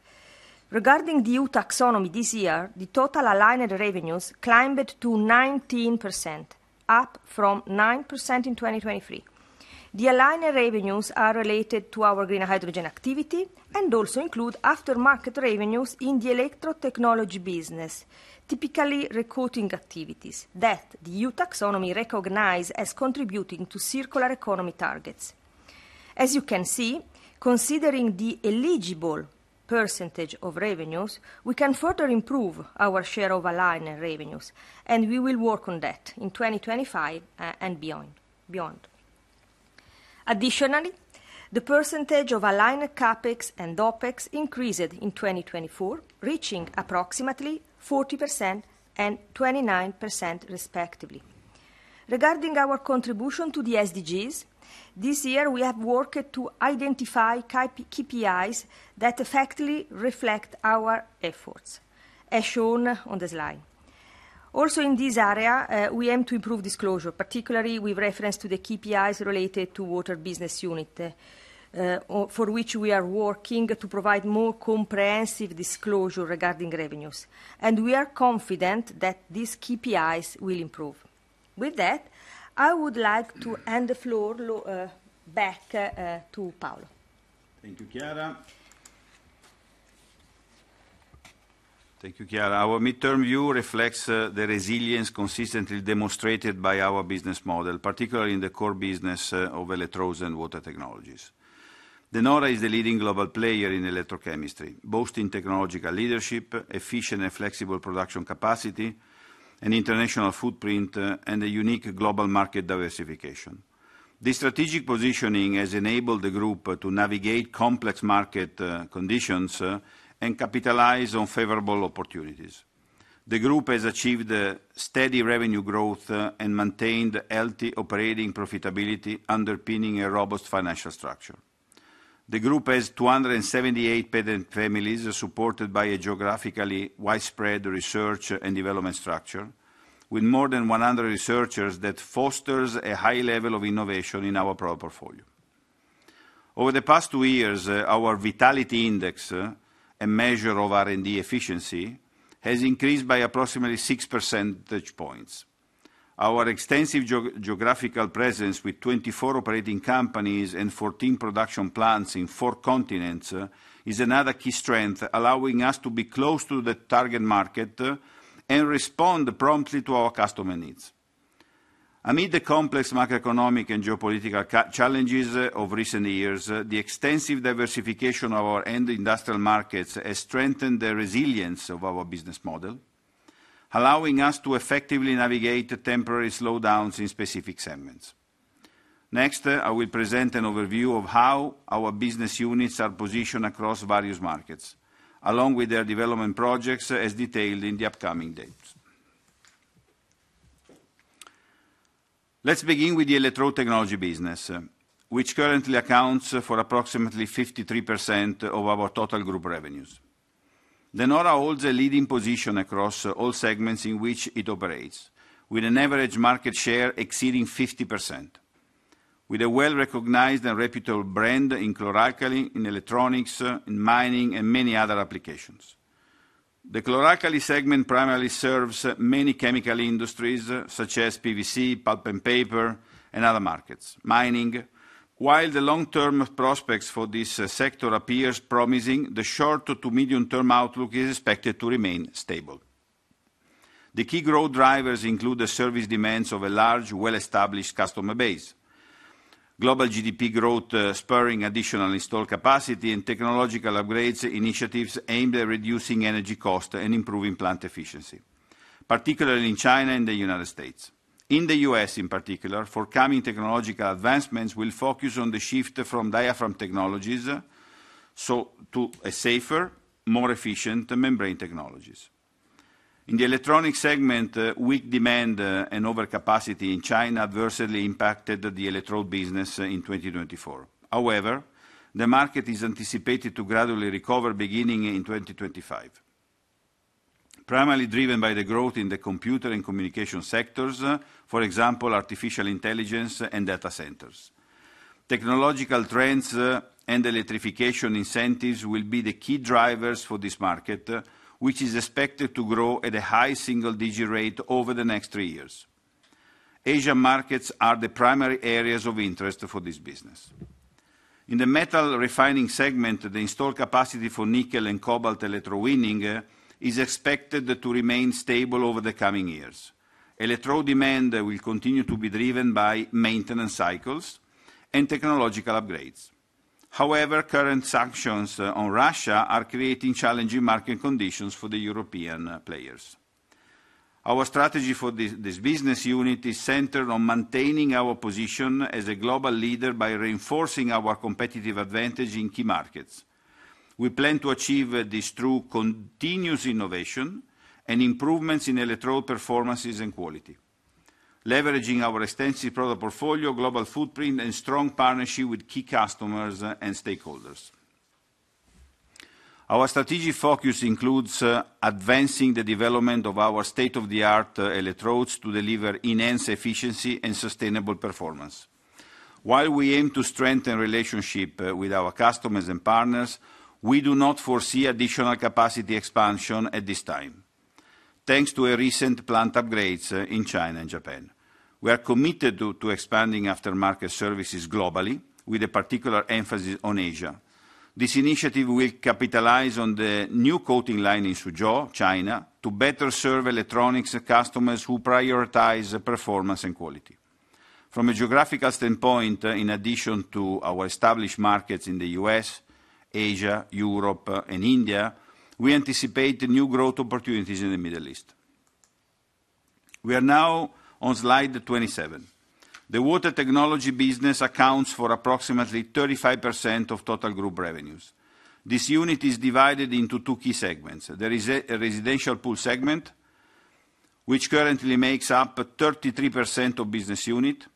Regarding the EU taxonomy this year, the total aligned revenues climbed to 19%, up from 9% in 2023. The aligned revenues are related to our green hydrogen activity and also include after-market revenues in the electrochemical technology business, typically recruiting activities that the EU taxonomy recognizes as contributing to circular economy targets. As you can see, considering the eligible percentage of revenues, we can further improve our share of aligned revenues, and we will work on that in 2025 and beyond. Additionally, the percentage of aligned CapEx and OpEx increased in 2024, reaching approximately 40% and 29%, respectively. Regarding our contribution to the SDGs, this year, we have worked to identify KPIs that effectively reflect our efforts, as shown on the slide. Also, in this area, we aim to improve disclosure, particularly with reference to the KPIs related to the water business unit, for which we are working to provide more comprehensive disclosure regarding revenues. We are confident that these KPIs will improve. With that, I would like to hand the floor back to Paolo. Thank you, Chiara. Thank you, Chiara. Our midterm view reflects the resilience consistently demonstrated by our business model, particularly in the core business of electrolysis and water technologies. De Nora is the leading global player in electrochemistry, boasting technological leadership, efficient and flexible production capacity, an international footprint, and a unique global market diversification. This strategic positioning has enabled the group to navigate complex market conditions and capitalize on favorable opportunities. The group has achieved steady revenue growth and maintained healthy operating profitability, underpinning a robust financial structure. The group has 278 patent families supported by a geographically widespread research and development structure, with more than 100 researchers that foster a high level of innovation in our product portfolio. Over the past two years, our vitality index, a measure of R&D efficiency, has increased by approximately 6 percentage points. Our extensive geographical presence, with 24 operating companies and 14 production plants in four continents, is another key strength, allowing us to be close to the target market and respond promptly to our customer needs. Amid the complex macroeconomic and geopolitical challenges of recent years, the extensive diversification of our end industrial markets has strengthened the resilience of our business model, allowing us to effectively navigate temporary slowdowns in specific segments. Next, I will present an overview of how our business units are positioned across various markets, along with their development projects as detailed in the upcoming dates. Let's begin with the electrode technology business, which currently accounts for approximately 53% of our total group revenues. De Nora holds a leading position across all segments in which it operates, with an average market share exceeding 50%, with a well-recognized and reputable brand in chloralkali, in electronics, in mining, and many other applications. The chloralkali segment primarily serves many chemical industries, such as PVC, pulp and paper, and other markets, mining. While the long-term prospects for this sector appear promising, the short to medium-term outlook is expected to remain stable. The key growth drivers include the service demands of a large, well-established customer base, global GDP growth spurring additional installed capacity, and technological upgrades initiatives aimed at reducing energy costs and improving plant efficiency, particularly in China and the United States. In the U.S., in particular, forthcoming technological advancements will focus on the shift from diaphragm technologies to safer, more efficient membrane technologies. In the electronic segment, weak demand and overcapacity in China adversely impacted the electrode business in 2024. However, the market is anticipated to gradually recover beginning in 2025, primarily driven by the growth in the computer and communication sectors, for example, artificial intelligence and data centers. Technological trends and electrification incentives will be the key drivers for this market, which is expected to grow at a high single-digit rate over the next three years. Asian markets are the primary areas of interest for this business. In the metal refining segment, the installed capacity for nickel and cobalt electro winning is expected to remain stable over the coming years. Electrode demand will continue to be driven by maintenance cycles and technological upgrades. However, current sanctions on Russia are creating challenging market conditions for the European players. Our strategy for this business unit is centered on maintaining our position as a global leader by reinforcing our competitive advantage in key markets. We plan to achieve this through continuous innovation and improvements in electrode performances and quality, leveraging our extensive product portfolio, global footprint, and strong partnership with key customers and stakeholders. Our strategic focus includes advancing the development of our state-of-the-art electrodes to deliver enhanced efficiency and sustainable performance. While we aim to strengthen relationships with our customers and partners, we do not foresee additional capacity expansion at this time, thanks to recent plant upgrades in China and Japan. We are committed to expanding aftermarket services globally, with a particular emphasis on Asia. This initiative will capitalize on the new coating line in Suzhou, China, to better serve electronics customers who prioritize performance and quality. From a geographical standpoint, in addition to our established markets in the U.S., Asia, Europe, and India, we anticipate new growth opportunities in the Middle East. We are now on slide 27. The water technology business accounts for approximately 35% of total group revenues. This unit is divided into two key segments. There is a residential pool segment, which currently makes up 33% of the business unit,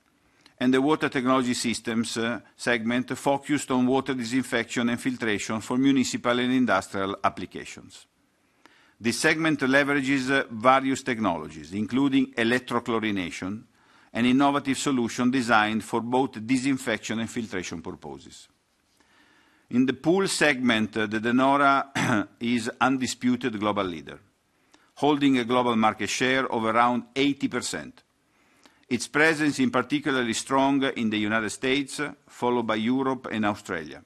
and the water technology systems segment focused on water disinfection and filtration for municipal and industrial applications. This segment leverages various technologies, including electrochlorination, an innovative solution designed for both disinfection and filtration purposes. In the pool segment, De Nora is an undisputed global leader, holding a global market share of around 80%. Its presence is particularly strong in the United States, followed by Europe and Australia.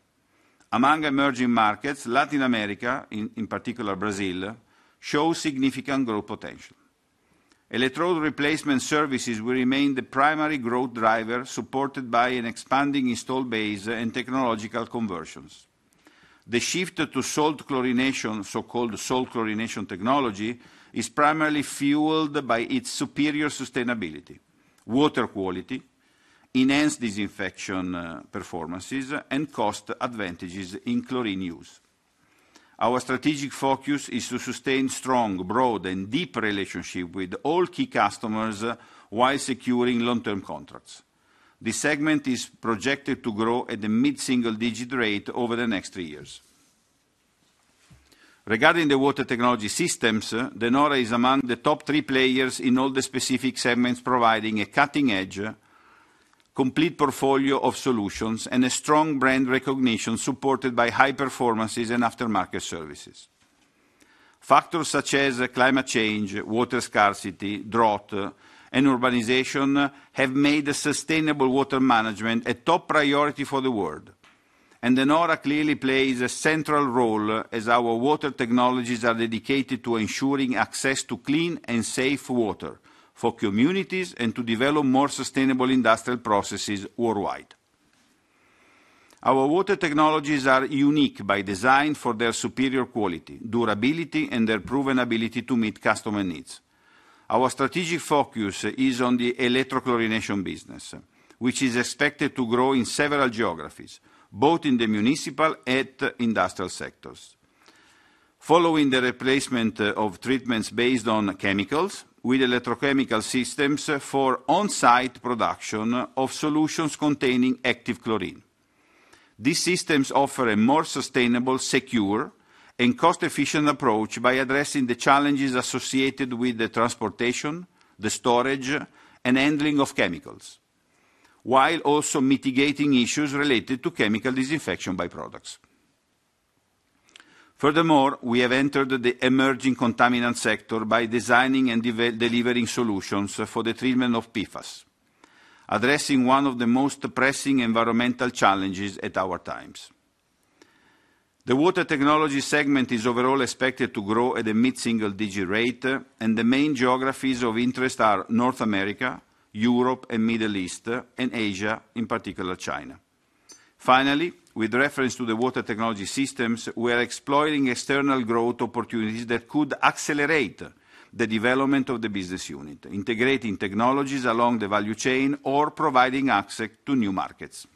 Among emerging markets, Latin America, in particular Brazil, shows significant growth potential. Electrode replacement services will remain the primary growth driver, supported by an expanding installed base and technological conversions. The shift to sole chlorination, so-called sole chlorination technology, is primarily fueled by its superior sustainability, water quality, enhanced disinfection performances, and cost advantages in chlorine use. Our strategic focus is to sustain strong, broad, and deep relationships with all key customers while securing long-term contracts. This segment is projected to grow at a mid-single-digit rate over the next three years. Regarding the water technology systems, De Nora is among the top three players in all the specific segments, providing a cutting-edge, complete portfolio of solutions and a strong brand recognition supported by high performances and aftermarket services. Factors such as climate change, water scarcity, drought, and urbanization have made sustainable water management a top priority for the world. De Nora clearly plays a central role as our water technologies are dedicated to ensuring access to clean and safe water for communities and to develop more sustainable industrial processes worldwide. Our water technologies are unique by design for their superior quality, durability, and their proven ability to meet customer needs. Our strategic focus is on the electrochlorination business, which is expected to grow in several geographies, both in the municipal and industrial sectors. Following the replacement of treatments based on chemicals with electrochemical systems for on-site production of solutions containing active chlorine, these systems offer a more sustainable, secure, and cost-efficient approach by addressing the challenges associated with the transportation, the storage, and handling of chemicals, while also mitigating issues related to chemical disinfection byproducts. Furthermore, we have entered the emerging contaminant sector by designing and delivering solutions for the treatment of PFAS, addressing one of the most pressing environmental challenges of our times. The water technology segment is overall expected to grow at a mid-single-digit rate, and the main geographies of interest are North America, Europe, the Middle East, and Asia, in particular China. Finally, with reference to the water technology systems, we are exploiting external growth opportunities that could accelerate the development of the business unit, integrating technologies along the value chain or providing access to new markets.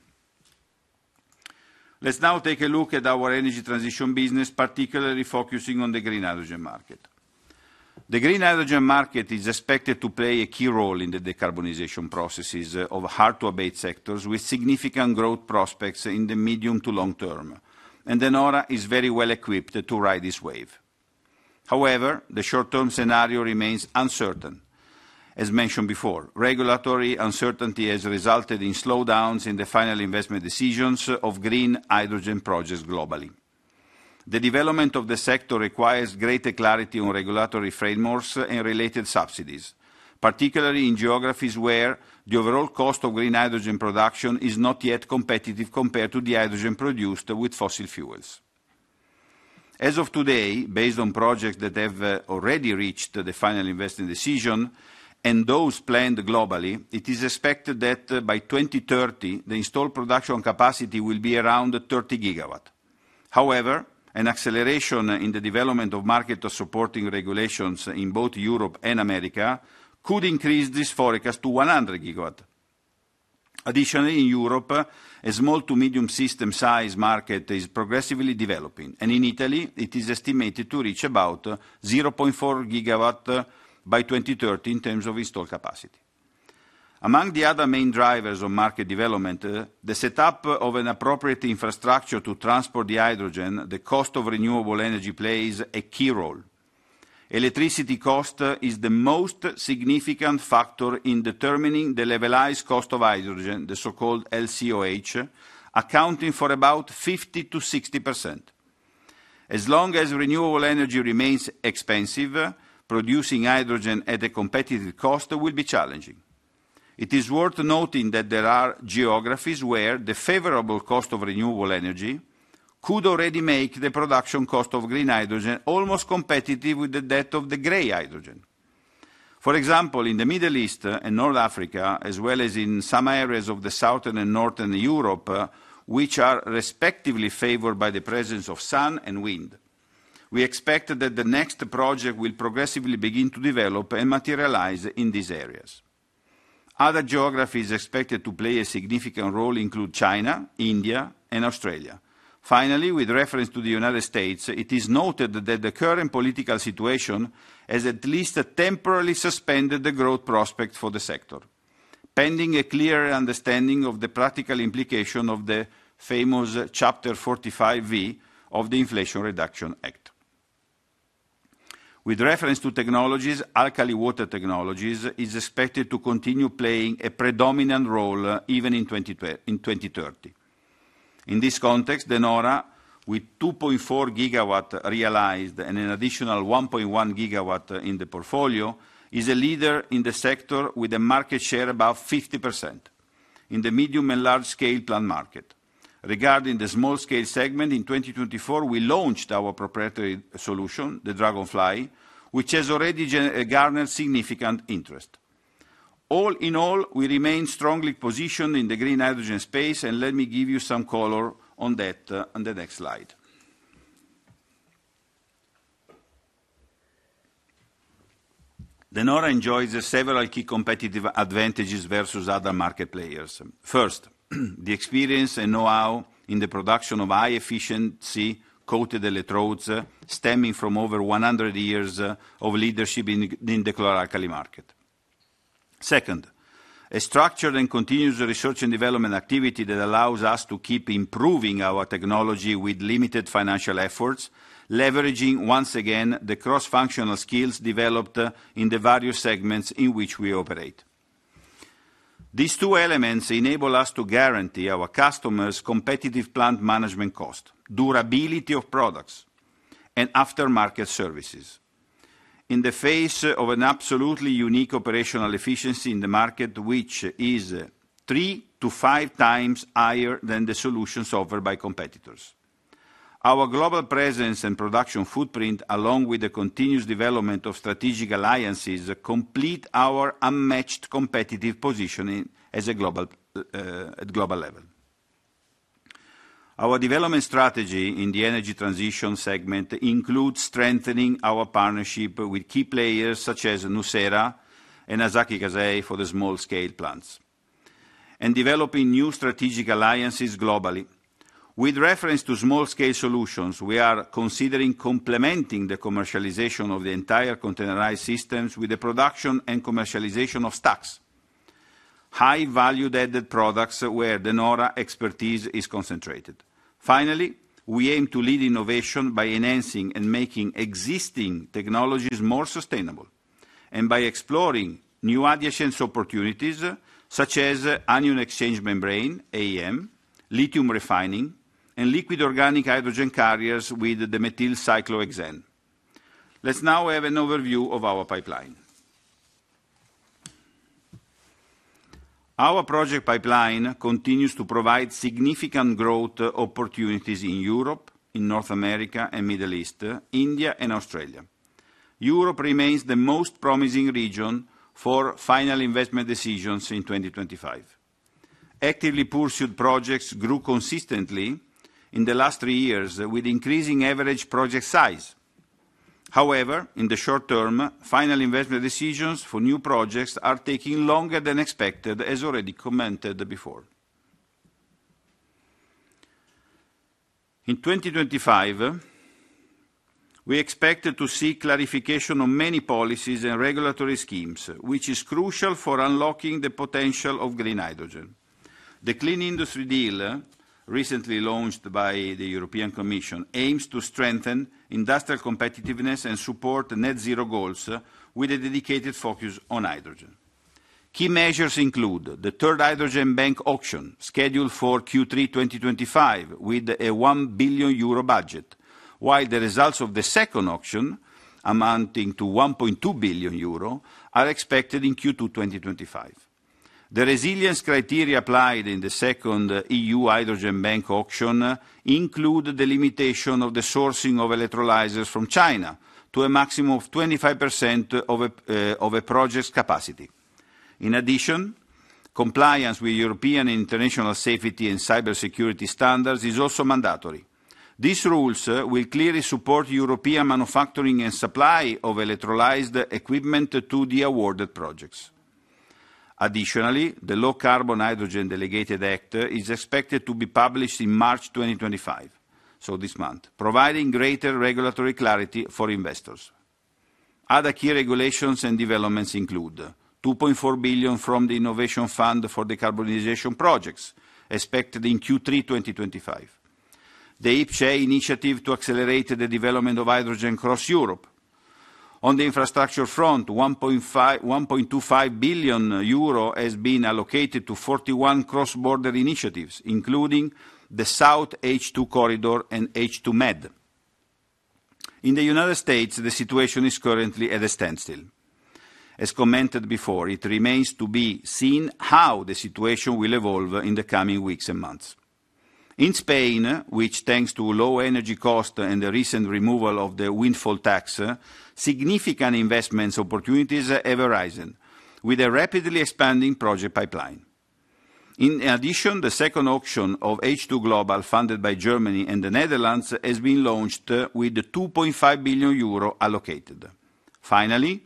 Let's now take a look at our energy transition business, particularly focusing on the green hydrogen market. The green hydrogen market is expected to play a key role in the decarbonization processes of hard-to-abate sectors with significant growth prospects in the medium to long term, and De Nora is very well equipped to ride this wave. However, the short-term scenario remains uncertain. As mentioned before, regulatory uncertainty has resulted in slowdowns in the final investment decisions of green hydrogen projects globally. The development of the sector requires greater clarity on regulatory frameworks and related subsidies, particularly in geographies where the overall cost of green hydrogen production is not yet competitive compared to the hydrogen produced with fossil fuels. As of today, based on projects that have already reached the final investment decision and those planned globally, it is expected that by 2030, the installed production capacity will be around 30 GW. However, an acceleration in the development of market-supporting regulations in both Europe and America could increase this forecast to 100 GW. Additionally, in Europe, a small to medium-sized market is progressively developing, and in Italy, it is estimated to reach about 0.4 GW by 2030 in terms of installed capacity. Among the other main drivers of market development, the setup of an appropriate infrastructure to transport the hydrogen, the cost of renewable energy plays a key role. Electricity cost is the most significant factor in determining the levelized cost of hydrogen, the so-called LCOH, accounting for about 50%-60%. As long as renewable energy remains expensive, producing hydrogen at a competitive cost will be challenging. It is worth noting that there are geographies where the favorable cost of renewable energy could already make the production cost of green hydrogen almost competitive with that of the gray hydrogen. For example, in the Middle East and North Africa, as well as in some areas of the southern and northern Europe, which are respectively favored by the presence of sun and wind, we expect that the next project will progressively begin to develop and materialize in these areas. Other geographies expected to play a significant role include China, India, and Australia. Finally, with reference to the United States, it is noted that the current political situation has at least temporarily suspended the growth prospects for the sector, pending a clearer understanding of the practical implication of the famous Chapter 45(v) of the Inflation Reduction Act. With reference to technologies, alkaline water technologies are expected to continue playing a predominant role even in 2030. In this context, De Nora, with 2.4 GW realized and an additional 1.1 GW in the portfolio, is a leader in the sector with a market share above 50% in the medium and large-scale plant market. Regarding the small-scale segment, in 2024, we launched our proprietary solution, the Dragonfly, which has already garnered significant interest. All in all, we remain strongly positioned in the green hydrogen space, and let me give you some color on that on the next slide. De Nora enjoys several key competitive advantages versus other market players. First, the experience and know-how in the production of high-efficiency coated electrodes stemming from over 100 years of leadership in the chloralkali market. Second, a structured and continuous research and development activity that allows us to keep improving our technology with limited financial efforts, leveraging once again the cross-functional skills developed in the various segments in which we operate. These two elements enable us to guarantee our customers' competitive plant management cost, durability of products, and aftermarket services in the face of an absolutely unique operational efficiency in the market, which is three to five times higher than the solutions offered by competitors. Our global presence and production footprint, along with the continuous development of strategic alliances, complete our unmatched competitive positioning at a global level. Our development strategy in the energy transition segment includes strengthening our partnership with key players such as Nucera and Asahi Kasei for the small-scale plants and developing new strategic alliances globally. With reference to small-scale solutions, we are considering complementing the commercialization of the entire containerized systems with the production and commercialization of stacks, high-value-added products where De Nora expertise is concentrated. Finally, we aim to lead innovation by enhancing and making existing technologies more sustainable and by exploring new adjacent opportunities such as anion exchange membrane (AEM), lithium refining, and liquid organic hydrogen carriers with the methyl cyclohexane. Let's now have an overview of our pipeline. Our project pipeline continues to provide significant growth opportunities in Europe, in North America and the Middle East, India, and Australia. Europe remains the most promising region for final investment decisions in 2025. Actively pursued projects grew consistently in the last three years with increasing average project size. However, in the short term, final investment decisions for new projects are taking longer than expected, as already commented before. In 2025, we expect to see clarification on many policies and regulatory schemes, which is crucial for unlocking the potential of green hydrogen. The Clean Industry Deal, recently launched by the European Commission, aims to strengthen industrial competitiveness and support net-zero goals with a dedicated focus on hydrogen. Key measures include the third hydrogen bank auction scheduled for Q3 2025 with a 1 billion euro budget, while the results of the second auction, amounting to 1.2 billion euro, are expected in Q2 2025. The resilience criteria applied in the second EU hydrogen bank auction include the limitation of the sourcing of electrolyzers from China to a maximum of 25% of a project's capacity. In addition, compliance with European and international safety and cybersecurity standards is also mandatory. These rules will clearly support European manufacturing and supply of electrolyzer equipment to the awarded projects. Additionally, the Low Carbon Hydrogen Delegated Act is expected to be published in March 2025, so this month, providing greater regulatory clarity for investors. Other key regulations and developments include 2.4 billion from the Innovation Fund for Decarbonization Projects expected in Q3 2025, the IPCEI initiative to accelerate the development of hydrogen across Europe. On the infrastructure front, 1.25 billion euro has been allocated to 41 cross-border initiatives, including the South H2 Corridor and H2Med. In the United States, the situation is currently at a standstill. As commented before, it remains to be seen how the situation will evolve in the coming weeks and months. In Spain, which, thanks to low energy costs and the recent removal of the windfall tax, significant investment opportunities have arisen with a rapidly expanding project pipeline. In addition, the second auction of H2 Global funded by Germany and the Netherlands has been launched with 2.5 billion euro allocated. Finally,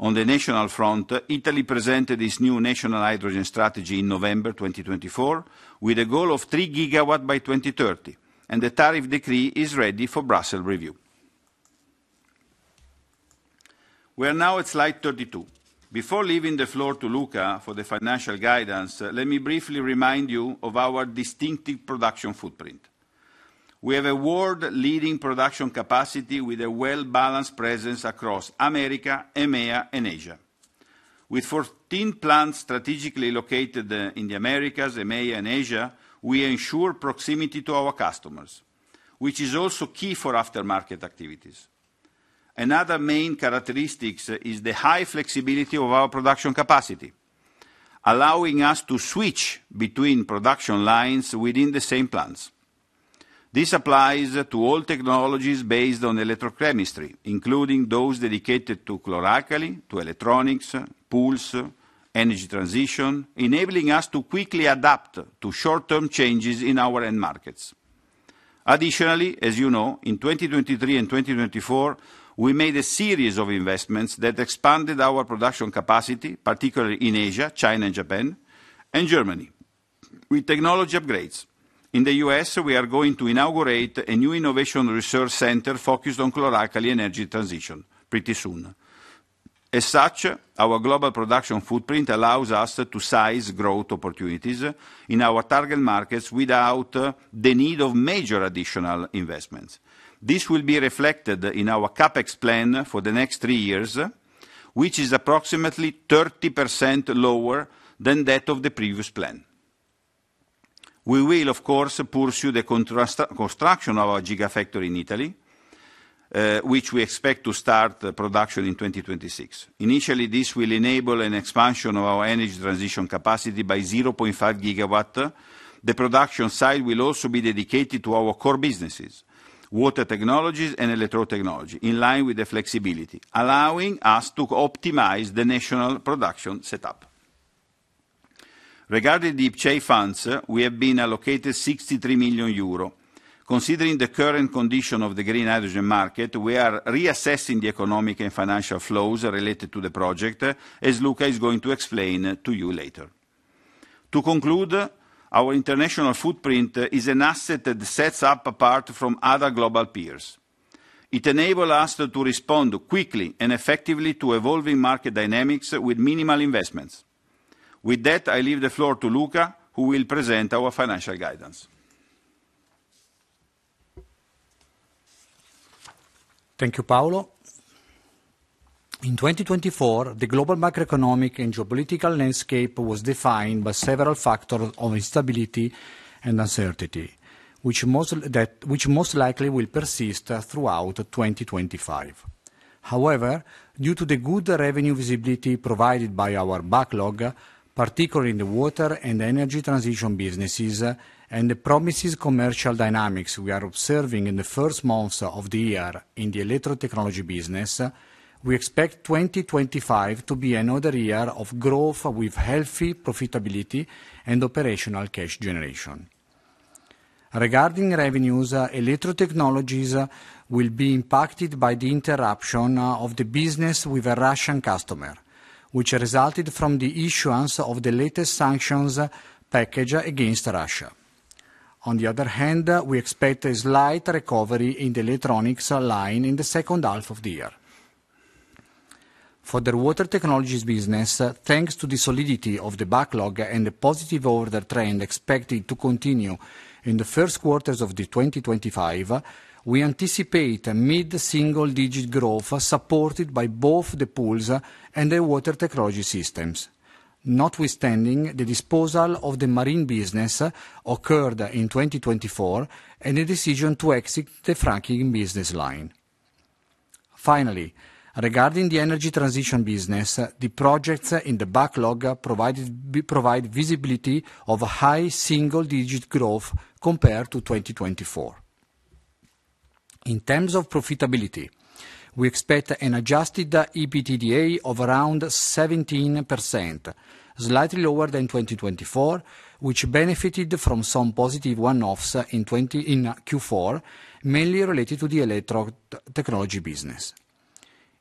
on the national front, Italy presented its new national hydrogen strategy in November 2024 with a goal of 3 GW by 2030, and the tariff decree is ready for Brussels review. We are now at slide 32. Before leaving the floor to Luca for the financial guidance, let me briefly remind you of our distinctive production footprint. We have a world-leading production capacity with a well-balanced presence across America, EMEA, and Asia. With 14 plants strategically located in the Americas, EMEA, and Asia, we ensure proximity to our customers, which is also key for aftermarket activities. Another main characteristic is the high flexibility of our production capacity, allowing us to switch between production lines within the same plants. This applies to all technologies based on electrochemistry, including those dedicated to chloralkali, to electronics, pools, energy transition, enabling us to quickly adapt to short-term changes in our end markets. Additionally, as you know, in 2023 and 2024, we made a series of investments that expanded our production capacity, particularly in Asia, China, Japan, and Germany, with technology upgrades. In the U.S., we are going to inaugurate a new innovation research center focused on chloralkali energy transition pretty soon. As such, our global production footprint allows us to size growth opportunities in our target markets without the need of major additional investments. This will be reflected in our CapEx plan for the next three years, which is approximately 30% lower than that of the previous plan. We will, of course, pursue the construction of our gigafactory in Italy, which we expect to start production in 2026. Initially, this will enable an expansion of our energy transition capacity by 0.5 GW. The production side will also be dedicated to our core businesses, water technologies and electro technology, in line with the flexibility, allowing us to optimize the national production setup. Regarding the IPCEI funds, we have been allocated 63 million euro. Considering the current condition of the green hydrogen market, we are reassessing the economic and financial flows related to the project, as Luca is going to explain to you later. To conclude, our international footprint is an asset that sets us apart from other global peers. It enables us to respond quickly and effectively to evolving market dynamics with minimal investments. With that, I leave the floor to Luca, who will present our financial guidance. Thank you, Paolo. In 2024, the global macroeconomic and geopolitical landscape was defined by several factors of instability and uncertainty, which most likely will persist throughout 2025. However, due to the good revenue visibility provided by our backlog, particularly in the water and energy transition businesses and the promising commercial dynamics we are observing in the first months of the year in the electro technology business, we expect 2025 to be another year of growth with healthy profitability and operational cash generation. Regarding revenues, electro technologies will be impacted by the interruption of the business with a Russian customer, which resulted from the issuance of the latest sanctions package against Russia. On the other hand, we expect a slight recovery in the electronics line in the second half of the year. For the water technologies business, thanks to the solidity of the backlog and the positive order trend expected to continue in the first quarters of 2025, we anticipate a mid-single-digit growth supported by both the pools and the water technology systems, notwithstanding the disposal of the marine business occurred in 2024 and the decision to exit the fracking business line. Finally, regarding the energy transition business, the projects in the backlog provide visibility of a high single-digit growth compared to 2024. In terms of profitability, we expect an Adjusted EBITDA of around 17%, slightly lower than 2024, which benefited from some positive one-offs in Q4, mainly related to the electro technology business.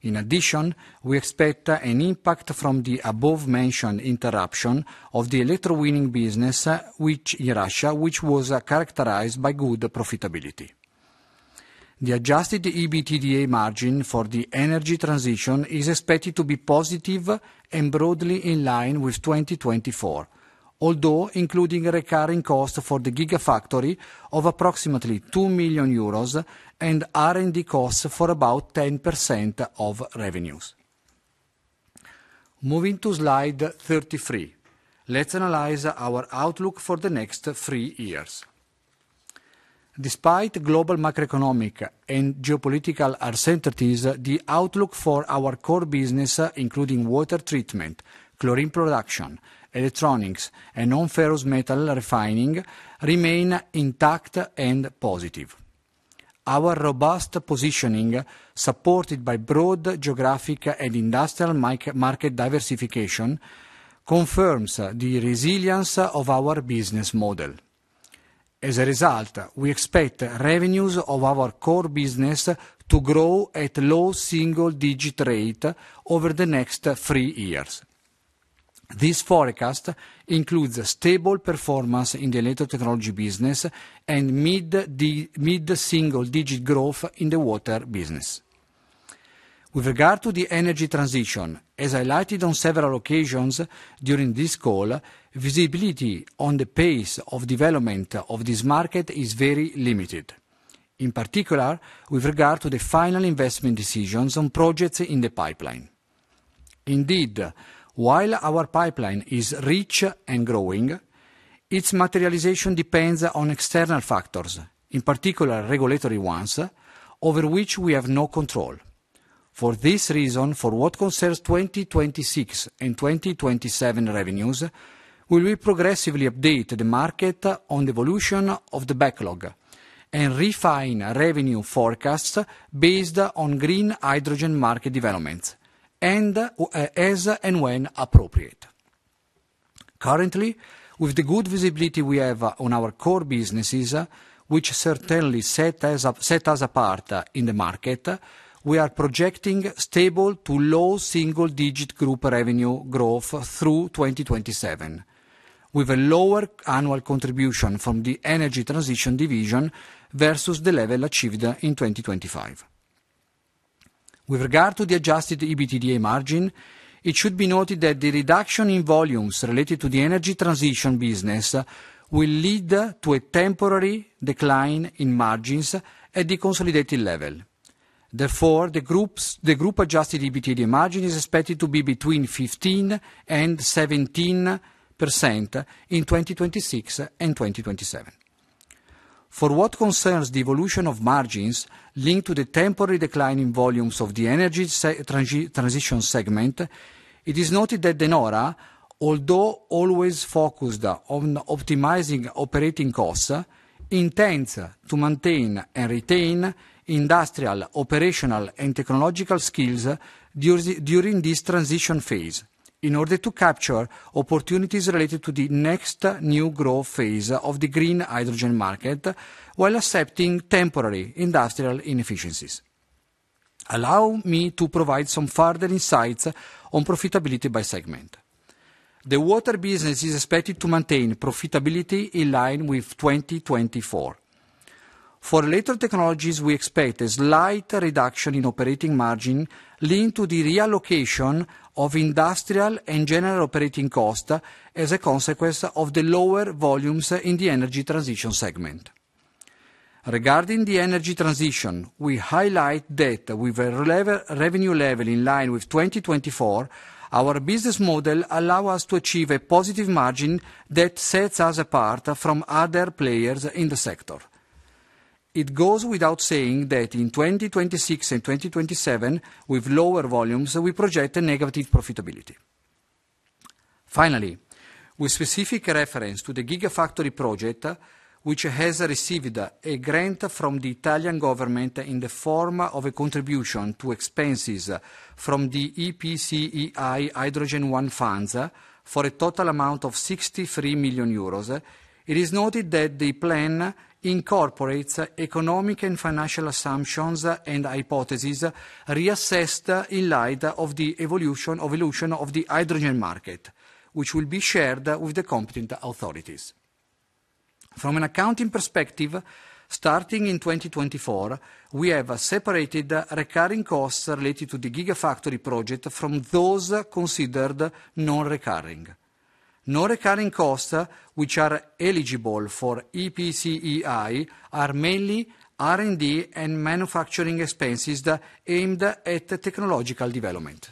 In addition, we expect an impact from the above-mentioned interruption of the electro winning business in Russia, which was characterized by good profitability. The Adjusted EBITDA margin for the energy transition is expected to be positive and broadly in line with 2024, although including recurring costs for the Gigafactory of approximately 2 million euros and R&D costs for about 10% of revenues. Moving to slide 33, let's analyze our outlook for the next three years. Despite global macroeconomic and geopolitical uncertainties, the outlook for our core business, including water treatment, chlorine production, electronics, and non-ferrous metal refining, remains intact and positive. Our robust positioning, supported by broad geographic and industrial market diversification, confirms the resilience of our business model. As a result, we expect revenues of our core business to grow at low single-digit rates over the next three years. This forecast includes stable performance in the electro technology business and mid-single-digit growth in the water business. With regard to the energy transition, as highlighted on several occasions during this call, visibility on the pace of development of this market is very limited, in particular with regard to the final investment decisions on projects in the pipeline. Indeed, while our pipeline is rich and growing, its materialization depends on external factors, in particular regulatory ones, over which we have no control. For this reason, for what concerns 2026 and 2027 revenues, we will progressively update the market on the evolution of the backlog and refine revenue forecasts based on green hydrogen market developments and as and when appropriate. Currently, with the good visibility we have on our core businesses, which certainly set us apart in the market, we are projecting stable to low single-digit group revenue growth through 2027, with a lower annual contribution from the energy transition division versus the level achieved in 2025. With regard to the Adjusted EBITDA margin, it should be noted that the reduction in volumes related to the energy transition business will lead to a temporary decline in margins at the consolidated level. Therefore, the group-Adjusted EBITDA margin is expected to be between 15% and 17% in 2026 and 2027. For what concerns the evolution of margins linked to the temporary decline in volumes of the energy transition segment, it is noted that De Nora, although always focused on optimizing operating costs, intends to maintain and retain industrial, operational, and technological skills during this transition phase in order to capture opportunities related to the next new growth phase of the green hydrogen market while accepting temporary industrial inefficiencies. Allow me to provide some further insights on profitability by segment. The water business is expected to maintain profitability in line with 2024. For electro technologies, we expect a slight reduction in operating margin linked to the reallocation of industrial and general operating costs as a consequence of the lower volumes in the energy transition segment. Regarding the energy transition, we highlight that with a revenue level in line with 2024, our business model allows us to achieve a positive margin that sets us apart from other players in the sector. It goes without saying that in 2026 and 2027, with lower volumes, we project a negative profitability. Finally, with specific reference to the gigafactory project, which has received a grant from the Italian government in the form of a contribution to expenses from the IPCEI Hydrogen One Funds for a total amount of 63 million euros, it is noted that the plan incorporates economic and financial assumptions and hypotheses reassessed in light of the evolution of the hydrogen market, which will be shared with the competent authorities. From an accounting perspective, starting in 2024, we have separated recurring costs related to the gigafactory project from those considered non-recurring. Non-recurring costs, which are eligible for IPCEI, are mainly R&D and manufacturing expenses aimed at technological development.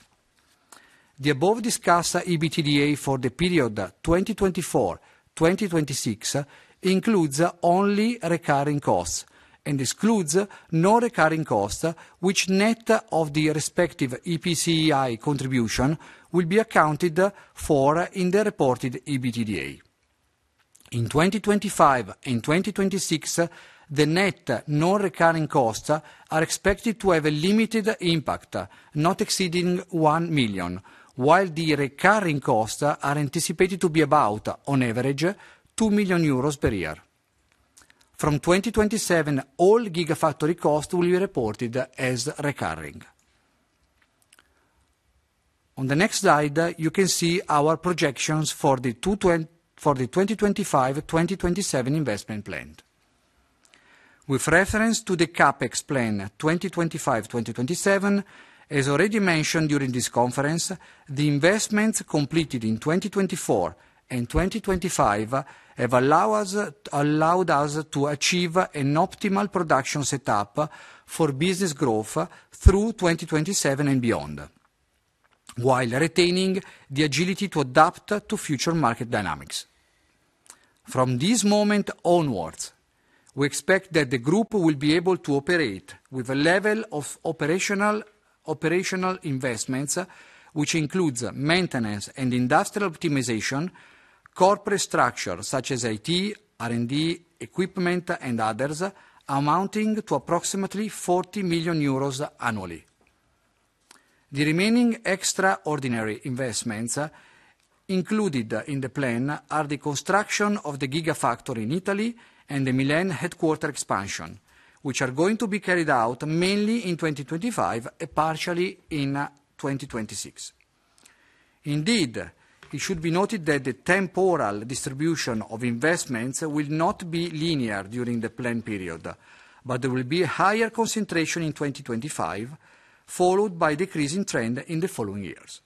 The above-discussed EBITDA for the period 2024-2026 includes only recurring costs and excludes non-recurring costs, which net of the respective IPCEI contribution will be accounted for in the reported EBITDA. In 2025 and 2026, the net non-recurring costs are expected to have a limited impact, not exceeding 1 million, while the recurring costs are anticipated to be about, on average, 2 million euros per year. From 2027, all gigafactory costs will be reported as recurring. On the next slide, you can see our projections for the 2025-2027 investment plan. With reference to the CapEx plan 2025-2027, as already mentioned during this conference, the investments completed in 2024 and 2025 have allowed us to achieve an optimal production setup for business growth through 2027 and beyond, while retaining the agility to adapt to future market dynamics. From this moment onwards, we expect that the group will be able to operate with a level of operational investments which includes maintenance and industrial optimization, corporate structures such as IT, R&D, equipment, and others, amounting to approximately 40 million euros annually. The remaining extraordinary investments included in the plan are the construction of the Gigafactory in Italy and the Milan headquarter expansion, which are going to be carried out mainly in 2025 and partially in 2026. Indeed, it should be noted that the temporal distribution of investments will not be linear during the planned period, but there will be a higher concentration in 2025, followed by a decreasing trend in the following years.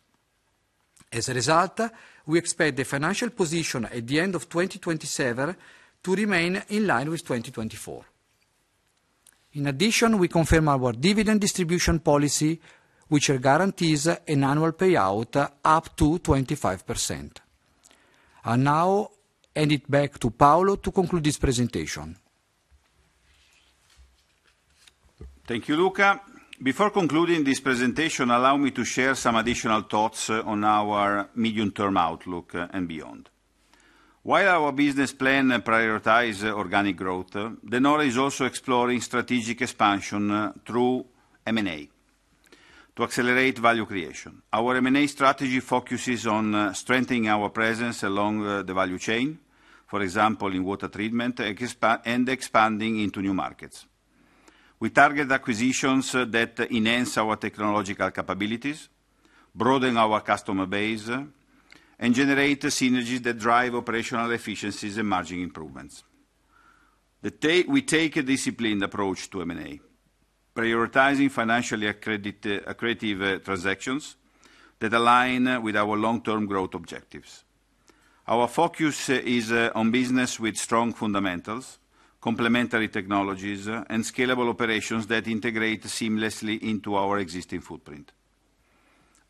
As a result, we expect the financial position at the end of 2027 to remain in line with 2024. In addition, we confirm our dividend distribution policy, which guarantees an annual payout up to 25%. I now hand it back to Paolo to conclude this presentation. Thank you, Luca. Before concluding this presentation, allow me to share some additional thoughts on our medium-term outlook and beyond. While our business plan prioritizes organic growth, De Nora is also exploring strategic expansion through M&A to accelerate value creation. Our M&A strategy focuses on strengthening our presence along the value chain, for example, in water treatment and expanding into new markets. We target acquisitions that enhance our technological capabilities, broaden our customer base, and generate synergies that drive operational efficiencies and margin improvements. We take a disciplined approach to M&A, prioritizing financially accredited transactions that align with our long-term growth objectives. Our focus is on business with strong fundamentals, complementary technologies, and scalable operations that integrate seamlessly into our existing footprint.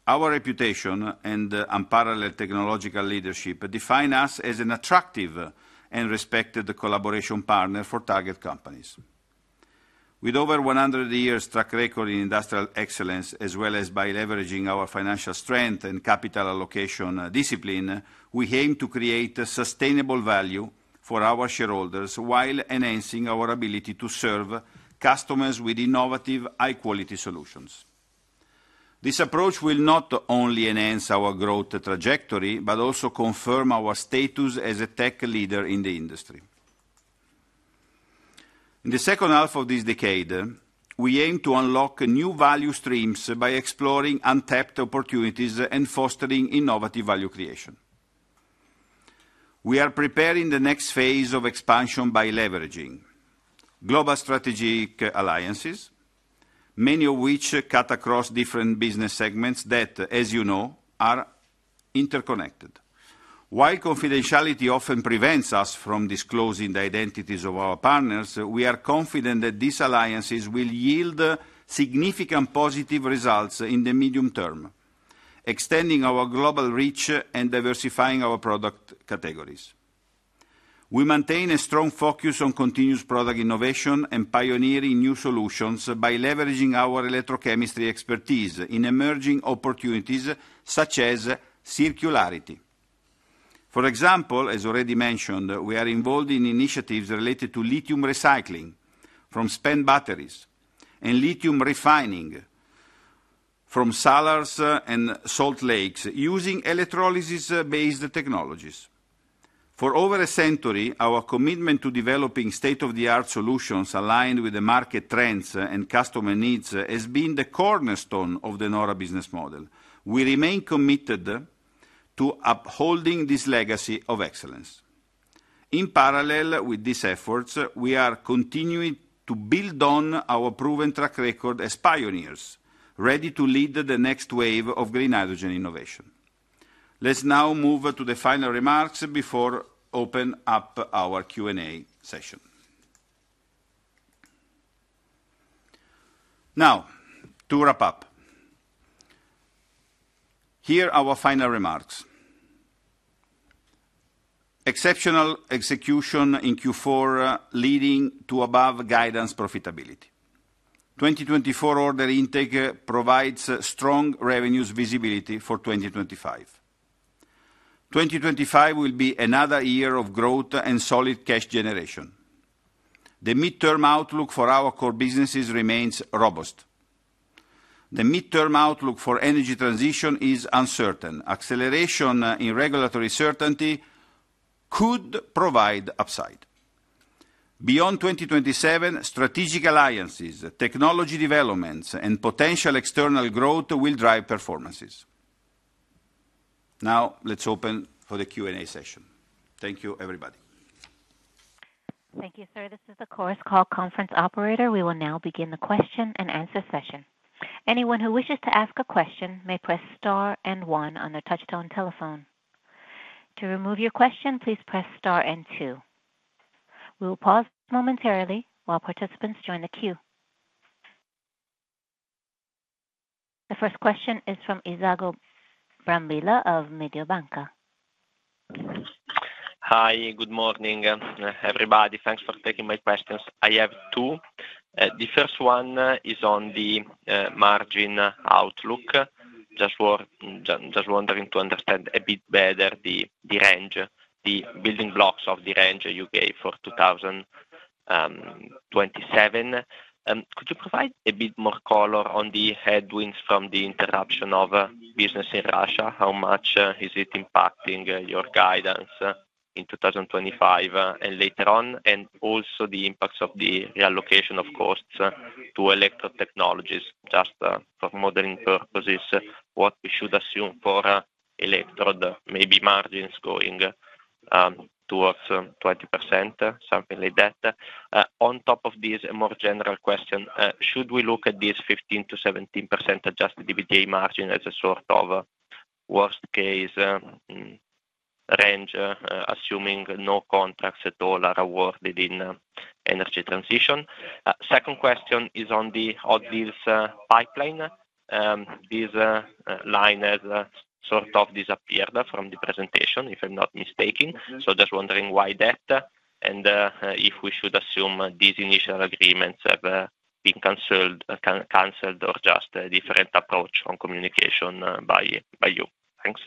Our reputation and unparalleled technological leadership define us as an attractive and respected collaboration partner for target companies. With over 100 years' track record in industrial excellence, as well as by leveraging our financial strength and capital allocation discipline, we aim to create sustainable value for our shareholders while enhancing our ability to serve customers with innovative, high-quality solutions. This approach will not only enhance our growth trajectory but also confirm our status as a tech leader in the industry. In the second half of this decade, we aim to unlock new value streams by exploring untapped opportunities and fostering innovative value creation. We are preparing the next phase of expansion by leveraging global strategic alliances, many of which cut across different business segments that, as you know, are interconnected. While confidentiality often prevents us from disclosing the identities of our partners, we are confident that these alliances will yield significant positive results in the medium term, extending our global reach and diversifying our product categories. We maintain a strong focus on continuous product innovation and pioneering new solutions by leveraging our electrochemistry expertise in emerging opportunities such as circularity. For example, as already mentioned, we are involved in initiatives related to lithium recycling from spent batteries and lithium refining from sellers and salt lakes using electrolysis-based technologies. For over a century, our commitment to developing state-of-the-art solutions aligned with the market trends and customer needs has been the cornerstone of the De Nora business model. We remain committed to upholding this legacy of excellence. In parallel with these efforts, we are continuing to build on our proven track record as pioneers ready to lead the next wave of green hydrogen innovation. Let's now move to the final remarks before we open up our Q&A session. Now, to wrap up, here are our final remarks. Exceptional execution in Q4 leading to above-guidance profitability. The 2024 order intake provides strong revenues visibility for 2025. 2025 will be another year of growth and solid cash generation. The midterm outlook for our core businesses remains robust. The midterm outlook for energy transition is uncertain. Acceleration in regulatory certainty could provide upside. Beyond 2027, strategic alliances, technology developments, and potential external growth will drive performances. Now, let's open for the Q&A session. Thank you, everybody. Thank you, sir. This is the Chorus Call conference operator. We will now begin the question and answer session. Anyone who wishes to ask a question may press star and one on their touch-tone telephone. To remove your question, please press star and two. We will pause momentarily while participants join the queue. The first question is from Isacco Brambilla of Mediobanca. Hi. Good morning, everybody. Thanks for taking my questions. I have two. The first one is on the margin outlook. Just wondering to understand a bit better the range, the building blocks of the range you gave for 2027. Could you provide a bit more color on the headwinds from the interruption of business in Russia? How much is it impacting your guidance in 2025 and later on? Also the impacts of the reallocation of costs to electro technologies. Just for modeling purposes, what we should assume for electrode, maybe margins going towards 20%, something like that. On top of this, a more general question. Should we look at this 15%-17% Adjusted EBITDA margin as a sort of worst-case range, assuming no contracts at all are awarded in energy transition? The second question is on the odd deals pipeline. This line has sort of disappeared from the presentation, if I'm not mistaken. Just wondering why that and if we should assume these initial agreements have been canceled or just a different approach on communication by you. Thanks.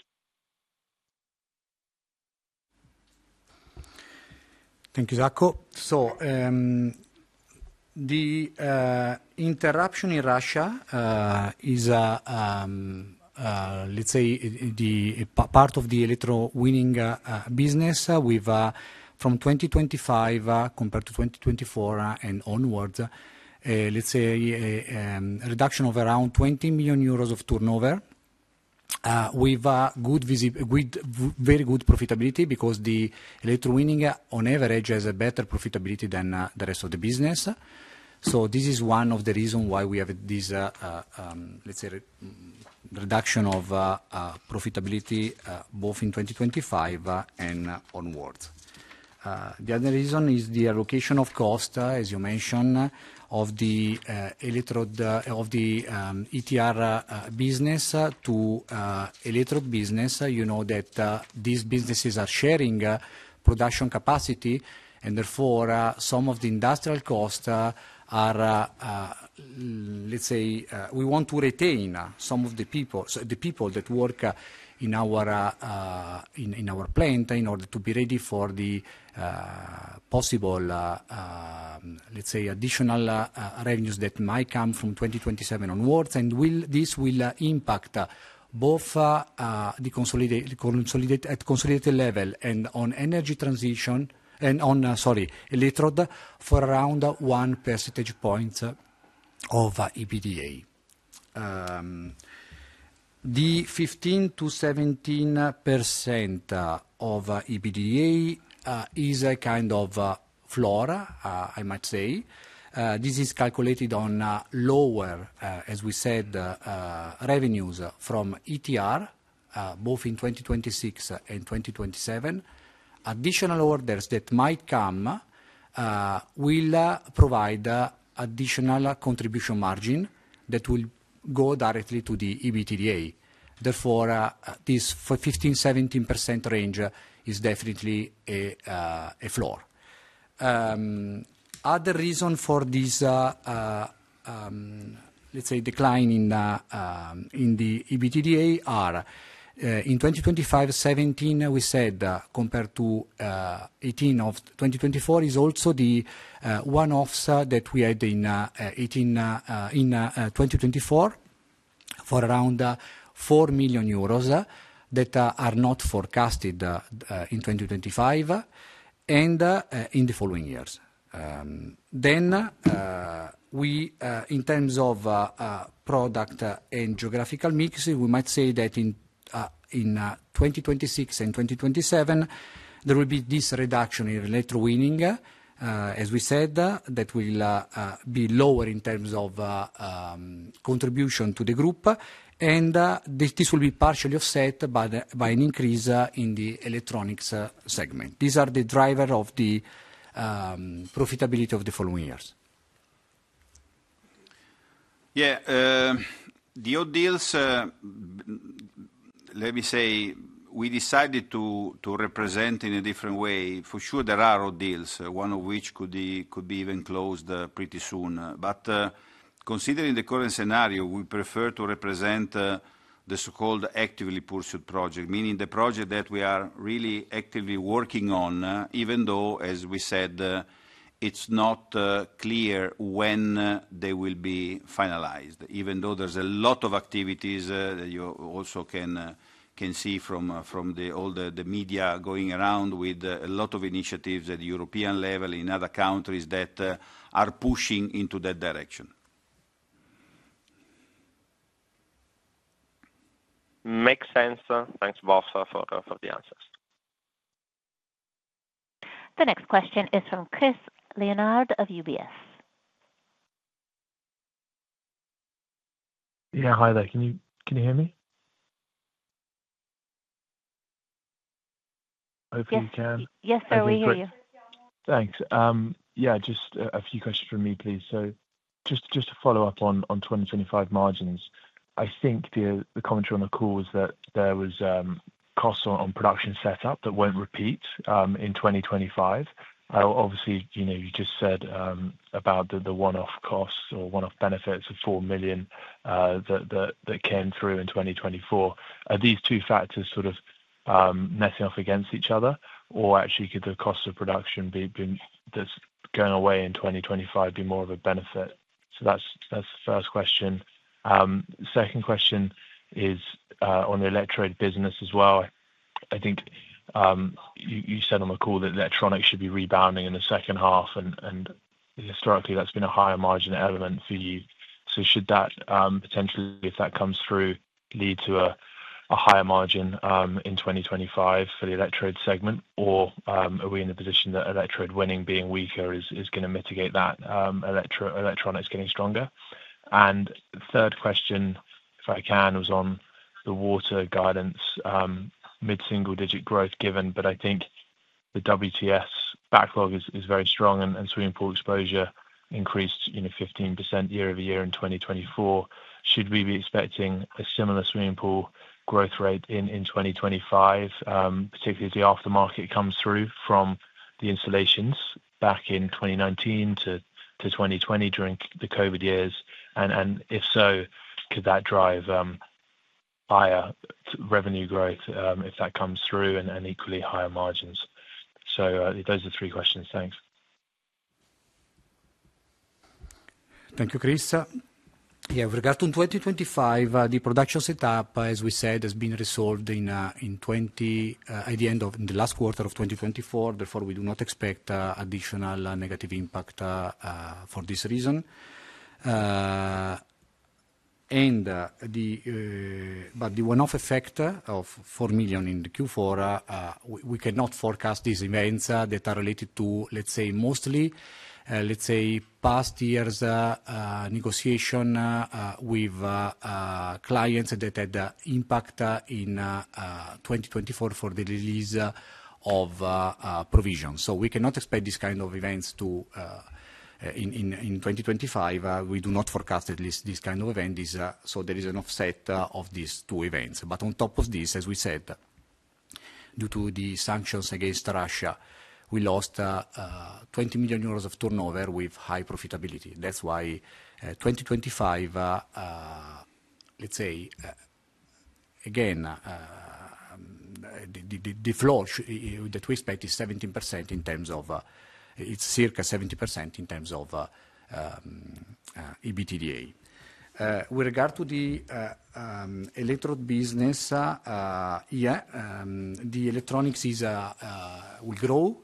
Thank you, Isaac. The interruption in Russia is, let's say, part of the electro winning business. From 2025, compared to 2024 and onwards, let's say, a reduction of around 20 million euros of turnover. We have very good profitability because the electro winning, on average, has a better profitability than the rest of the business. This is one of the reasons why we have this, let's say, reduction of profitability both in 2025 and onwards. The other reason is the allocation of cost, as you mentioned, of the ETR business to electro business. You know that these businesses are sharing production capacity, and therefore some of the industrial costs are, let's say, we want to retain some of the people that work in our plant in order to be ready for the possible, let's say, additional revenues that might come from 2027 onwards. This will impact both at the consolidated level and on energy transition and on, sorry, electro for around 1 percentage point of EBITDA. The 15%-17% of EBITDA is a kind of floor, I might say. This is calculated on lower, as we said, revenues from ETR both in 2026 and 2027. Additional orders that might come will provide additional contribution margin that will go directly to the EBITDA. Therefore, this 15%-17% range is definitely a floor. Other reason for this, let's say, decline in the EBITDA are in 2025, 17%, we said, compared to 18% of 2024, is also the one-offs that we had in 2024 for around 4 million euros that are not forecasted in 2025 and in the following years. In terms of product and geographical mix, we might say that in 2026 and 2027, there will be this reduction in electro winning, as we said, that will be lower in terms of contribution to the group. This will be partially offset by an increase in the electronics segment. These are the drivers of the profitability of the following years. Yeah. The odd deals, let me say, we decided to represent in a different way. For sure, there are odd deals, one of which could be even closed pretty soon. But considering the current scenario, we prefer to represent the so-called actively pursued project, meaning the project that we are really actively working on, even though, as we said, it's not clear when they will be finalized, even though there's a lot of activities that you also can see from all the media going around with a lot of initiatives at the European level in other countries that are pushing into that direction. Makes sense. Thanks, both, for the answers. The next question is from Chris Leonard of UBS. Yeah. Hi there. Can you hear me? Hopefully, you can. Yes, sir. We hear you. Thanks. Yeah. Just a few questions from me, please. Just to follow up on 2025 margins, I think the commentary on the call was that there were costs on production setup that won't repeat in 2025. Obviously, you just said about the one-off costs or one-off benefits of 4 million that came through in 2024. Are these two factors sort of messing up against each other, or actually, could the cost of production that's going away in 2025 be more of a benefit? That's the first question. Second question is on the electrode business as well. I think you said on the call that electronics should be rebounding in the second half, and historically, that's been a higher margin element for you. Should that potentially, if that comes through, lead to a higher margin in 2025 for the electrode segment, or are we in a position that electrode winning being weaker is going to mitigate that electronics getting stronger? Third question, if I can, was on the water guidance, mid-single-digit growth given, but I think the WTS backlog is very strong, and swimming pool exposure increased 15% year over year in 2024. Should we be expecting a similar swimming pool growth rate in 2025, particularly as the aftermarket comes through from the installations back in 2019 to 2020 during the COVID years? If so, could that drive higher revenue growth if that comes through and equally higher margins? Those are the three questions. Thanks. Thank you, Chris. Yeah. We have in 2025, the production setup, as we said, has been resolved at the end of the last quarter of 2024. Therefore, we do not expect additional negative impact for this reason. The one-off effect of 4 million in Q4, we cannot forecast these events that are related to, let's say, mostly, let's say, past years' negotiation with clients that had impact in 2024 for the release of provisions. We cannot expect these kinds of events in 2025. We do not forecast at least this kind of event. There is an offset of these two events. On top of this, as we said, due to the sanctions against Russia, we lost 20 million euros of turnover with high profitability. That's why 2025, let's say, again, the flow that we expect is 17% in terms of it's circa 70% in terms of EBITDA. With regard to the electrode business, yeah, the electronics will grow,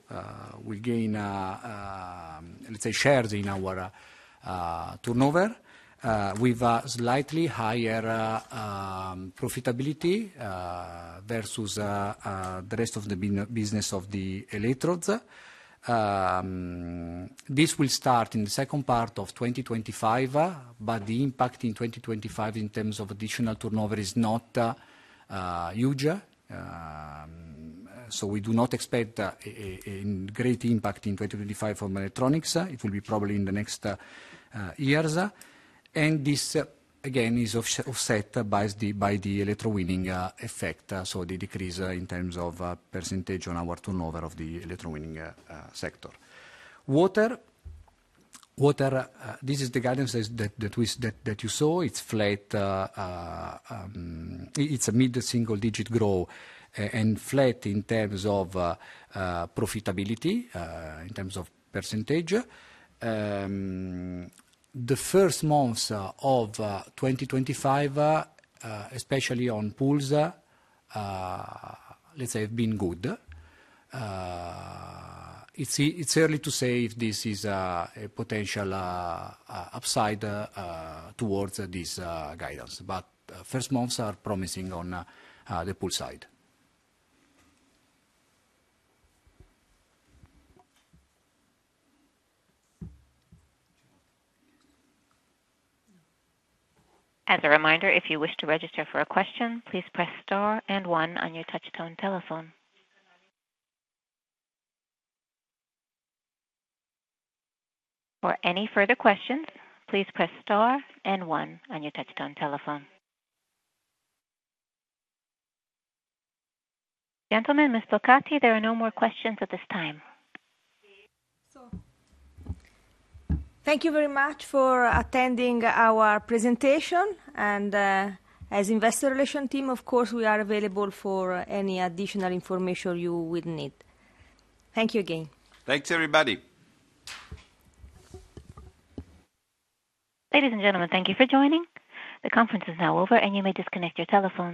will gain, let's say, shares in our turnover. We have a slightly higher profitability versus the rest of the business of the electrodes. This will start in the second part of 2025, but the impact in 2025 in terms of additional turnover is not huge. We do not expect a great impact in 2025 from electronics. It will be probably in the next years. This, again, is offset by the electro winning effect, so the decrease in terms of percentage on our turnover of the electro winning sector. Water, this is the guidance that you saw. It's flat. It's a mid-single-digit grow and flat in terms of profitability, in terms of percentage. The first months of 2025, especially on pools, let's say, have been good. It's early to say if this is a potential upside towards this guidance, but first months are promising on the pool side. As a reminder, if you wish to register for a question, please press star and one on your touchdown telephone. For any further questions, please press star and one on your touch-tone telephone. Gentlemen, Ms. Locati, there are no more questions at this time. Thank you very much for attending our presentation. As investor relation team, of course, we are available for any additional information you would need. Thank you again. Thanks, everybody. Ladies and gentlemen, thank you for joining. The conference is now over, and you may disconnect your telephones.